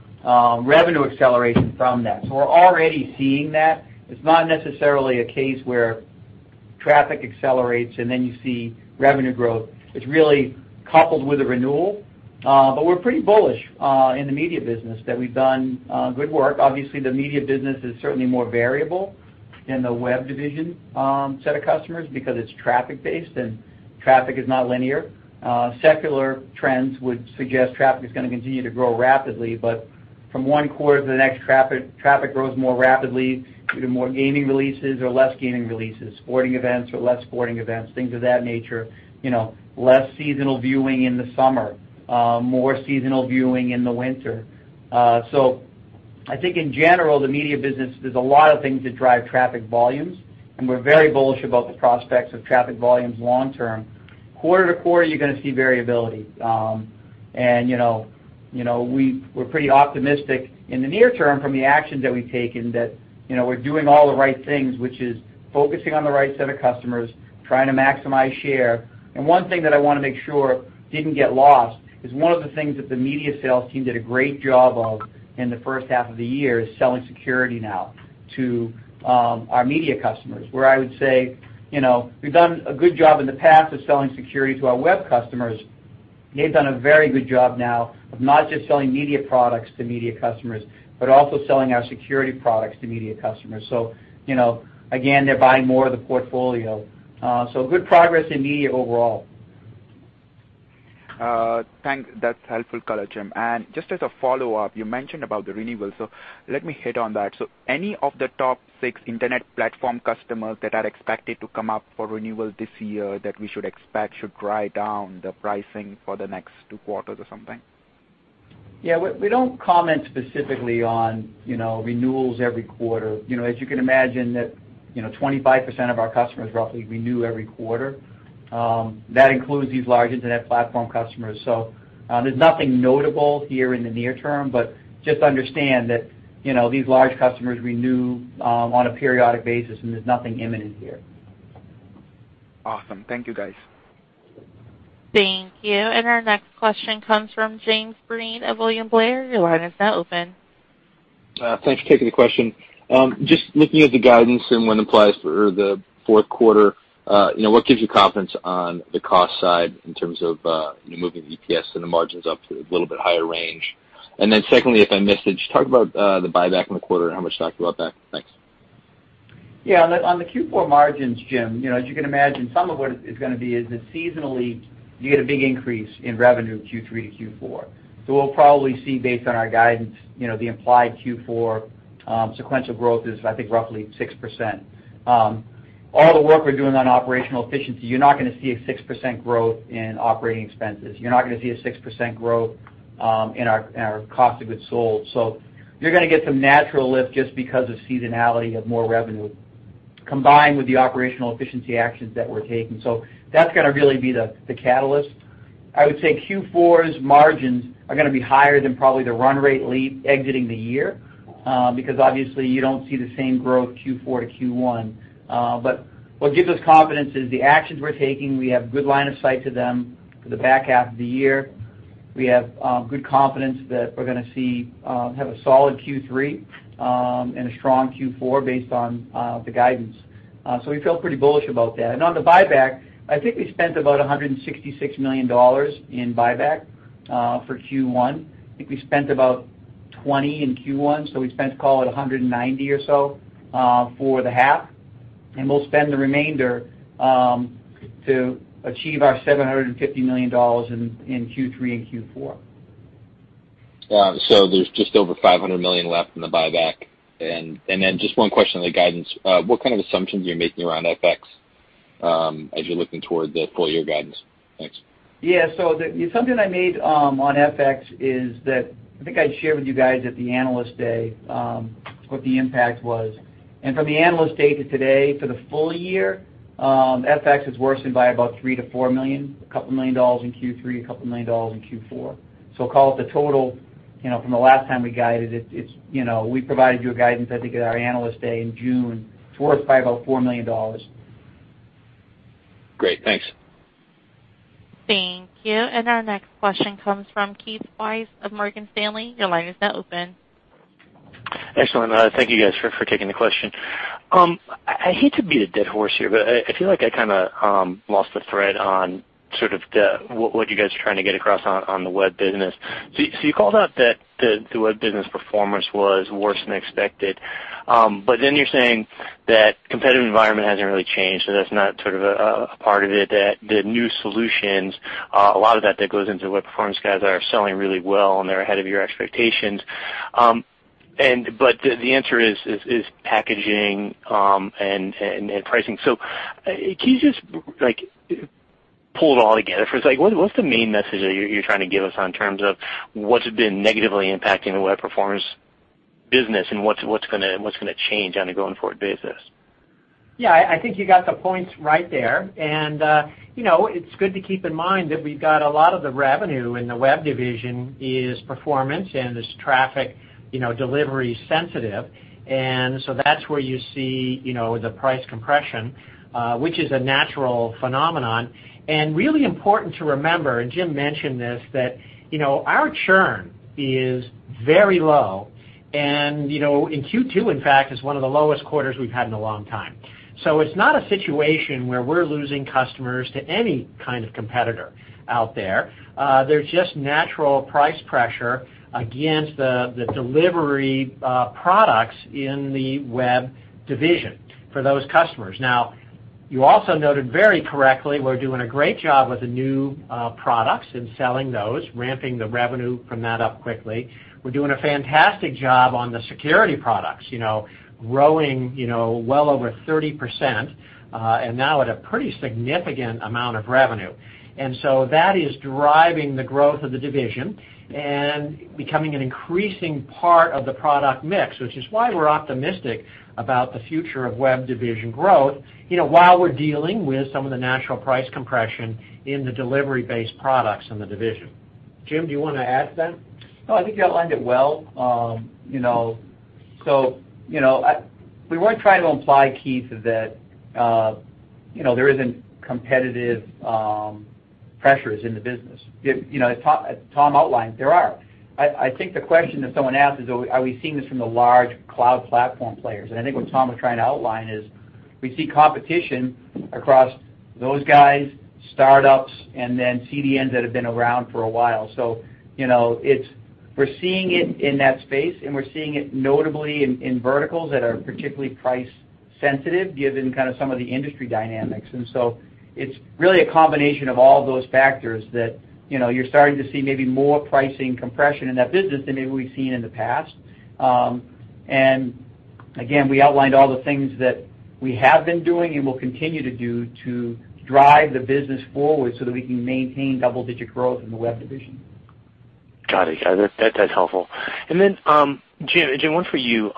revenue acceleration from that. We're already seeing that. It's not necessarily a case where traffic accelerates and then you see revenue growth. It's really coupled with a renewal. We're pretty bullish in the media business that we've done good work. Obviously, the media business is certainly more variable in the web division set of customers because it's traffic-based and traffic is not linear. Secular trends would suggest traffic is going to continue to grow rapidly, From one quarter to the next, traffic grows more rapidly due to more gaming releases or less gaming releases, sporting events or less sporting events, things of that nature. Less seasonal viewing in the summer, more seasonal viewing in the winter. I think in general, the media business, there's a lot of things that drive traffic volumes, and we're very bullish about the prospects of traffic volumes long term. Quarter to quarter, you're going to see variability. We're pretty optimistic in the near term from the actions that we've taken that we're doing all the right things, which is focusing on the right set of customers, trying to maximize share. One thing that I want to make sure didn't get lost is one of the things that the media sales team did a great job of in the first half of the year is selling security now to our media customers, where I would say, we've done a good job in the past of selling security to our web customers. They've done a very good job now of not just selling media products to media customers, but also selling our security products to media customers. Again, they're buying more of the portfolio. Good progress in media overall. Thanks. That's helpful color, Jim. Just as a follow-up, you mentioned about the renewal, let me hit on that. Any of the top six internet platform customers that are expected to come up for renewal this year that we should expect should drive down the pricing for the next two quarters or something? Yeah, we don't comment specifically on renewals every quarter. As you can imagine, 25% of our customers roughly renew every quarter. That includes these large internet platform customers. There's nothing notable here in the near term, but just understand that these large customers renew on a periodic basis, and there's nothing imminent here. Awesome. Thank you, guys. Thank you. Our next question comes from James Breen of William Blair. Your line is now open. Thanks for taking the question. Just looking at the guidance and when it applies for the fourth quarter, what gives you confidence on the cost side in terms of moving EPS and the margins up to a little bit higher range? Secondly, if I missed it, just talk about the buyback in the quarter and how much stock you bought back. Thanks. Yeah. On the Q4 margins, Jim, as you can imagine, some of what it is going to be is that seasonally, you get a big increase in revenue Q3 to Q4. We'll probably see based on our guidance, the implied Q4 sequential growth is, I think, roughly 6%. All the work we're doing on operational efficiency, you're not going to see a 6% growth in operating expenses. You're not going to see a 6% growth in our cost of goods sold. You're going to get some natural lift just because of seasonality of more revenue, combined with the operational efficiency actions that we're taking. That's going to really be the catalyst. I would say Q4's margins are going to be higher than probably the run rate exiting the year, because obviously you don't see the same growth Q4 to Q1. What gives us confidence is the actions we're taking. We have good line of sight to them for the back half of the year. We have good confidence that we're going to have a solid Q3, and a strong Q4 based on the guidance. We feel pretty bullish about that. On the buyback, I think we spent about $166 million in buyback for Q1. I think we spent about 20 in Q1, we spent, call it 190 or so for the half. We'll spend the remainder to achieve our $750 million in Q3 and Q4. There's just over $500 million left in the buyback. Then just one question on the guidance. What kind of assumptions are you making around FX as you're looking toward the full-year guidance? Thanks. Yeah. The assumption I made on FX is that I think I shared with you guys at the Analyst Day, what the impact was. From the Analyst Day to today, for the full year, FX has worsened by about $3 million-$4 million, a couple million dollars in Q3, a couple million dollars in Q4. Call it the total, from the last time we guided, we provided you a guidance, I think, at our Analyst Day in June, it's worse by about $4 million. Great. Thanks. Thank you. Our next question comes from Keith Weiss of Morgan Stanley. Your line is now open. Excellent. Thank you guys for taking the question. I hate to beat a dead horse here, I feel like I kind of lost the thread on sort of what you guys are trying to get across on the web business. You called out that the web business performance was worse than expected. You're saying that competitive environment hasn't really changed, so that's not sort of a part of it, that the new solutions, a lot of that goes into web performance guys are selling really well and they're ahead of your expectations. The answer is packaging and pricing. Can you just pull it all together for a second? What's the main message that you're trying to give us on terms of what's been negatively impacting the web performance business and what's going to change on a going-forward basis? Yeah, I think you got the points right there. It's good to keep in mind that we've got a lot of the revenue in the web division is performance and is traffic delivery sensitive. That's where you see the price compression, which is a natural phenomenon. Really important to remember, and Jim mentioned this, that our churn is very low, and in Q2, in fact, is one of the lowest quarters we've had in a long time. It's not a situation where we're losing customers to any kind of competitor out there. There's just natural price pressure against the delivery products in the web division for those customers. Now, you also noted very correctly, we're doing a great job with the new products and selling those, ramping the revenue from that up quickly. We're doing a fantastic job on the security products, growing well over 30%, and now at a pretty significant amount of revenue. That is driving the growth of the division and becoming an increasing part of the product mix, which is why we're optimistic about the future of web division growth, while we're dealing with some of the natural price compression in the delivery-based products in the division. Jim, do you want to add to that? No, I think you outlined it well. We weren't trying to imply, Keith, that there isn't competitive pressures in the business. As Tom outlined, there are. I think the question that someone asked is, are we seeing this from the large cloud platform players? I think what Tom was trying to outline is we see competition across those guys, startups, and then CDNs that have been around for a while. We're seeing it in that space, and we're seeing it notably in verticals that are particularly price sensitive given kind of some of the industry dynamics. It's really a combination of all those factors that you're starting to see maybe more pricing compression in that business than maybe we've seen in the past. Again, we outlined all the things that we have been doing and will continue to do to drive the business forward so that we can maintain double-digit growth in the web division. Got it. Yeah, that's helpful. Jim, one for you.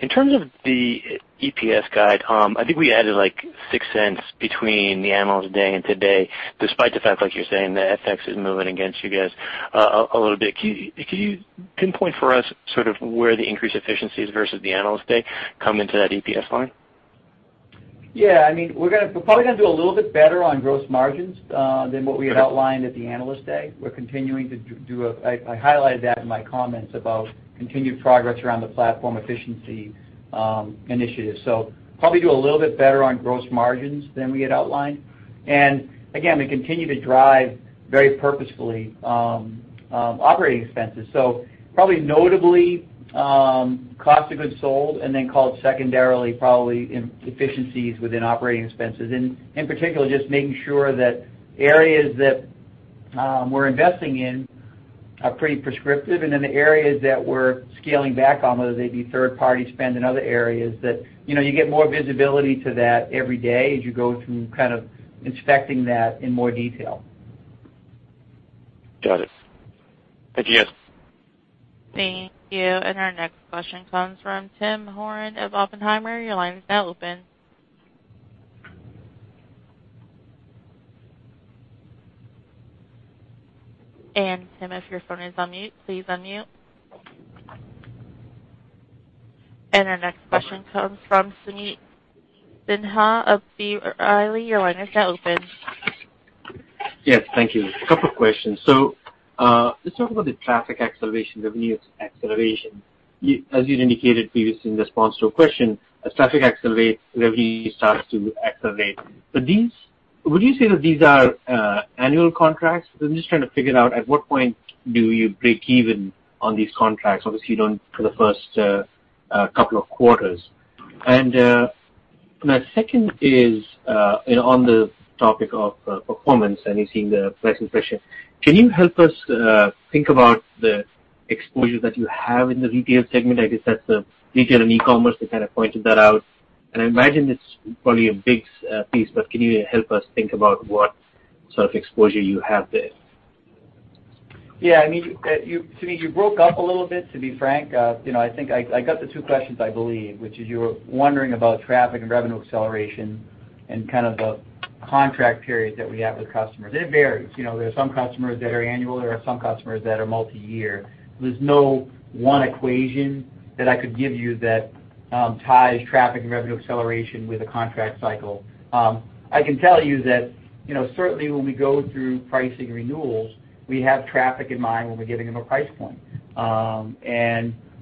In terms of the EPS guide, I think we added like $0.06 between the Analyst Day and today, despite the fact, like you're saying, that FX is moving against you guys a little bit. Can you pinpoint for us sort of where the increased efficiencies versus the Analyst Day come into that EPS line? Yeah, we're probably going to do a little bit better on gross margins than what we had outlined at the Analyst Day. I highlighted that in my comments about continued progress around the platform efficiency initiative. Probably do a little bit better on gross margins than we had outlined. Again, we continue to drive, very purposefully, operating expenses. Probably notably, cost of goods sold and then called secondarily, probably efficiencies within operating expenses. In particular, just making sure that areas that we're investing in are pretty prescriptive, and then the areas that we're scaling back on, whether they be third-party spend in other areas, that you get more visibility to that every day as you go through kind of inspecting that in more detail. Got it. Thank you guys. Thank you. Our next question comes from Tim Horan of Oppenheimer. Your line is now open. Tim, if your phone is on mute, please unmute. Our next question comes from Sameet Sinha of B. Riley. Your line is now open. Yes. Thank you. Couple of questions. Let's talk about the traffic acceleration, revenue acceleration. As you'd indicated previously in response to a question, as traffic accelerates, revenue starts to accelerate. Would you say that these are annual contracts? I'm just trying to figure out at what point do you break even on these contracts, obviously you don't for the first couple of quarters. My second is, on the topic of performance and you seeing the pricing pressure, can you help us think about the exposure that you have in the retail segment? I guess that's the retail and e-commerce, you kind of pointed that out, and I imagine it's probably a big piece, but can you help us think about what sort of exposure you have there? Yeah. Sameet, you broke up a little bit, to be frank. I think I got the two questions, I believe, which is you were wondering about traffic and revenue acceleration and kind of the contract period that we have with customers. It varies. There are some customers that are annual, there are some customers that are multi-year. There's no one equation that I could give you that ties traffic and revenue acceleration with a contract cycle. I can tell you that, certainly when we go through pricing renewals, we have traffic in mind when we're giving them a price point.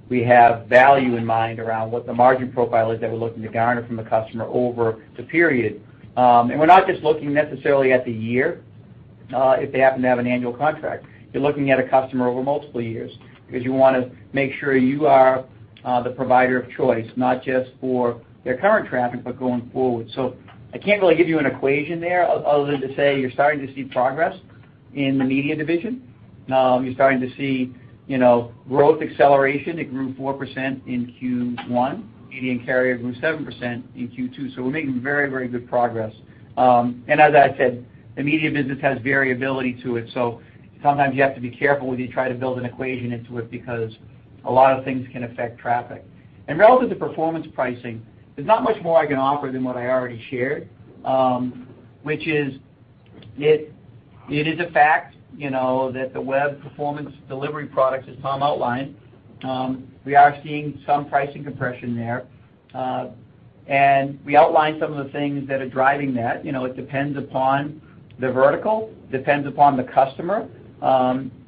We have value in mind around what the margin profile is that we're looking to garner from the customer over the period. We're not just looking necessarily at the year, if they happen to have an annual contract. I can't really give you an equation there other than to say, you're starting to see progress in the Media division. You're starting to see growth acceleration. It grew 4% in Q1. Media and Carrier grew 7% in Q2. We're making very good progress. As I said, the Media business has variability to it, so sometimes you have to be careful when you try to build an equation into it because a lot of things can affect traffic. Relative to performance pricing, there's not much more I can offer than what I already shared, which is, it is a fact that the web performance delivery products, as Tom outlined, we are seeing some pricing compression there. We outlined some of the things that are driving that. It depends upon the vertical, depends upon the customer,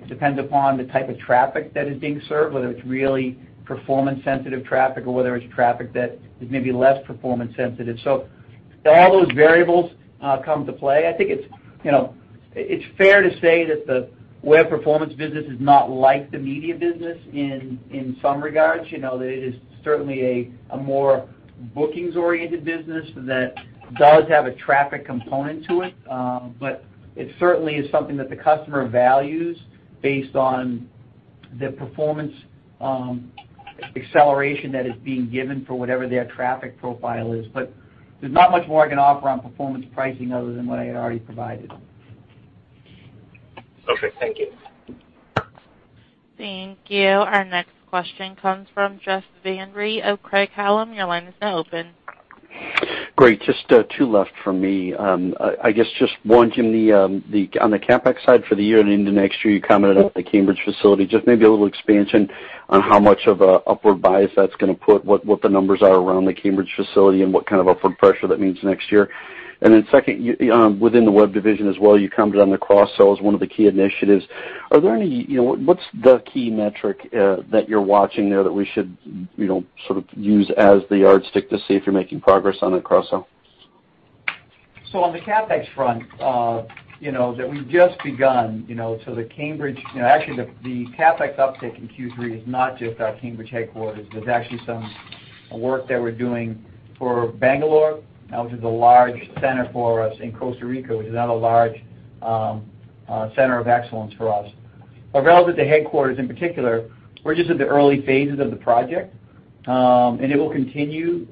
depends upon the type of traffic that is being served, whether it's really performance-sensitive traffic or whether it's traffic that is maybe less performance sensitive. All those variables come to play. I think it's fair to say that the web performance business is not like the Media business in some regards. That it is certainly a more bookings-oriented business that does have a traffic component to it. It certainly is something that the customer values based on the performance acceleration that is being given for whatever their traffic profile is. There's not much more I can offer on performance pricing other than what I had already provided. Okay. Thank you. Thank you. Our next question comes from Jeff Van Rhee of Craig-Hallum. Your line is now open. Great. Just two left from me. I guess just one, Jim, on the CapEx side for the year and into next year, you commented on the Cambridge facility, just maybe a little expansion on how much of a upward bias that's going to put, what the numbers are around the Cambridge facility and what kind of upward pressure that means next year. Second, within the web division as well, you commented on the cross-sells, one of the key initiatives. What's the key metric that you're watching there that we should sort of use as the yardstick to see if you're making progress on that cross-sell? On the CapEx front, that we've just begun. Actually the CapEx uptick in Q3 is not just our Cambridge headquarters. There's actually some work that we're doing for Bangalore, which is a large center for us, and Costa Rica, which is another large center of excellence for us. Relative to headquarters in particular, we're just at the early phases of the project. It will continue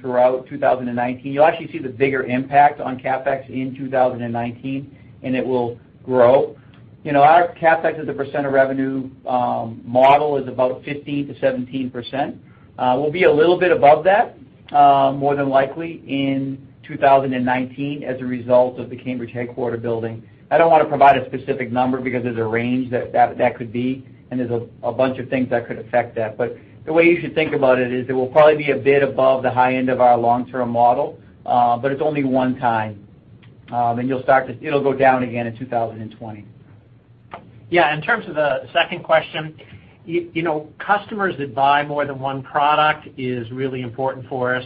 throughout 2019. You'll actually see the bigger impact on CapEx in 2019, and it will grow. Our CapEx as a % of revenue model is about 15%-17%. We'll be a little bit above that, more than likely in 2019 as a result of the Cambridge headquarter building. I don't want to provide a specific number because there's a range that could be, and there's a bunch of things that could affect that. The way you should think about it is it will probably be a bit above the high end of our long-term model, but it's only one time. It'll go down again in 2020. Yeah. In terms of the second question, customers that buy more than one product is really important for us.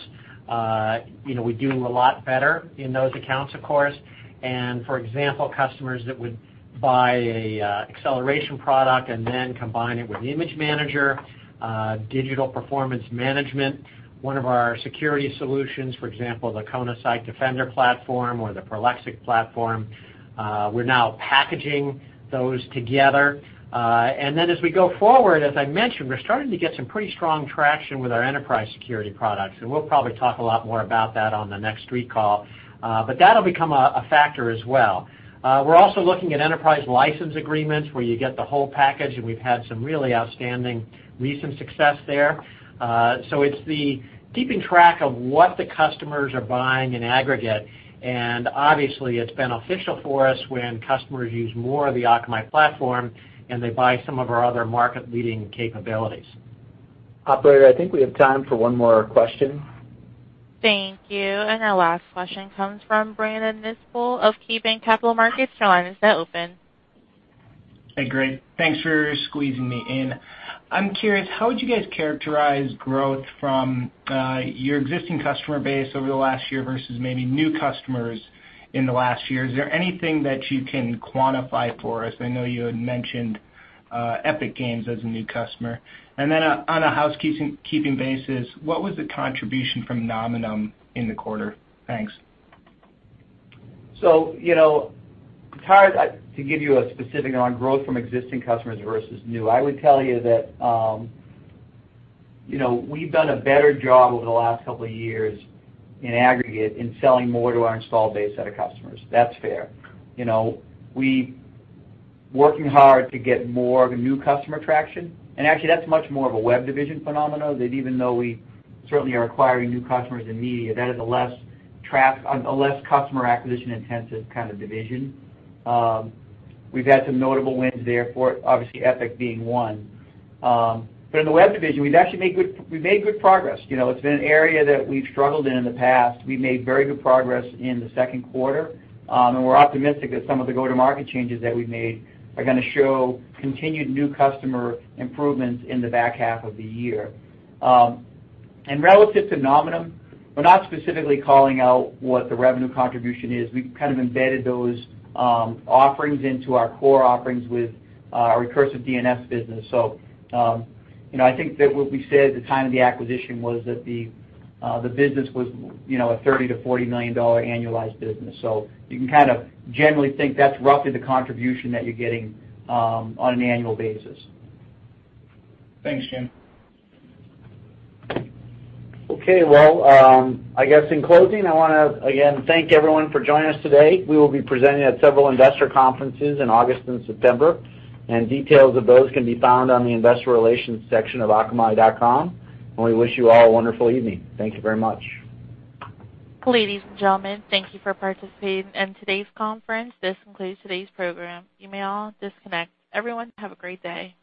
We do a lot better in those accounts, of course. For example, customers that would buy an acceleration product and then combine it with Image Manager, Digital Performance Management, one of our security solutions, for example, the Kona Site Defender platform or the Prolexic platform, we're now packaging those together. As we go forward, as I mentioned, we're starting to get some pretty strong traction with our enterprise security products, and we'll probably talk a lot more about that on the next street call. That'll become a factor as well. We're also looking at enterprise license agreements where you get the whole package, and we've had some really outstanding recent success there. It's the keeping track of what the customers are buying in aggregate. Obviously, it's beneficial for us when customers use more of the Akamai platform and they buy some of our other market-leading capabilities. Operator, I think we have time for one more question. Thank you. Our last question comes from Brandon Nispel of KeyBanc Capital Markets. Your line is now open. Hey, Greg. Thanks for squeezing me in. I'm curious, how would you guys characterize growth from your existing customer base over the last year versus maybe new customers in the last year? Is there anything that you can quantify for us? I know you had mentioned Epic Games as a new customer. Then on a housekeeping basis, what was the contribution from Nominum in the quarter? Thanks. It's hard to give you a specific on growth from existing customers versus new. I would tell you that we've done a better job over the last couple of years in aggregate in selling more to our install base set of customers. That's fair. We working hard to get more of a new customer traction, and actually that's much more of a Web division phenomena that even though we certainly are acquiring new customers in Media, that is a less customer acquisition-intensive kind of division. We've had some notable wins there for, obviously, Epic being one. But in the Web division, we've made good progress. It's been an area that we've struggled in the past. We've made very good progress in the second quarter. We're optimistic that some of the go-to-market changes that we've made are going to show continued new customer improvements in the back half of the year. Relative to Nominum, we're not specifically calling out what the revenue contribution is. We've kind of embedded those offerings into our core offerings with our recursive DNS business. I think that what we said at the time of the acquisition was that the business was a $30 million to $40 million annualized business. You can kind of generally think that's roughly the contribution that you're getting on an annual basis. Thanks, Jim. Well, I guess in closing, I want to, again, thank everyone for joining us today. We will be presenting at several investor conferences in August and September. Details of those can be found on the investor relations section of akamai.com. We wish you all a wonderful evening. Thank you very much. Ladies and gentlemen, thank you for participating in today's conference. This concludes today's program. You may all disconnect. Everyone, have a great day.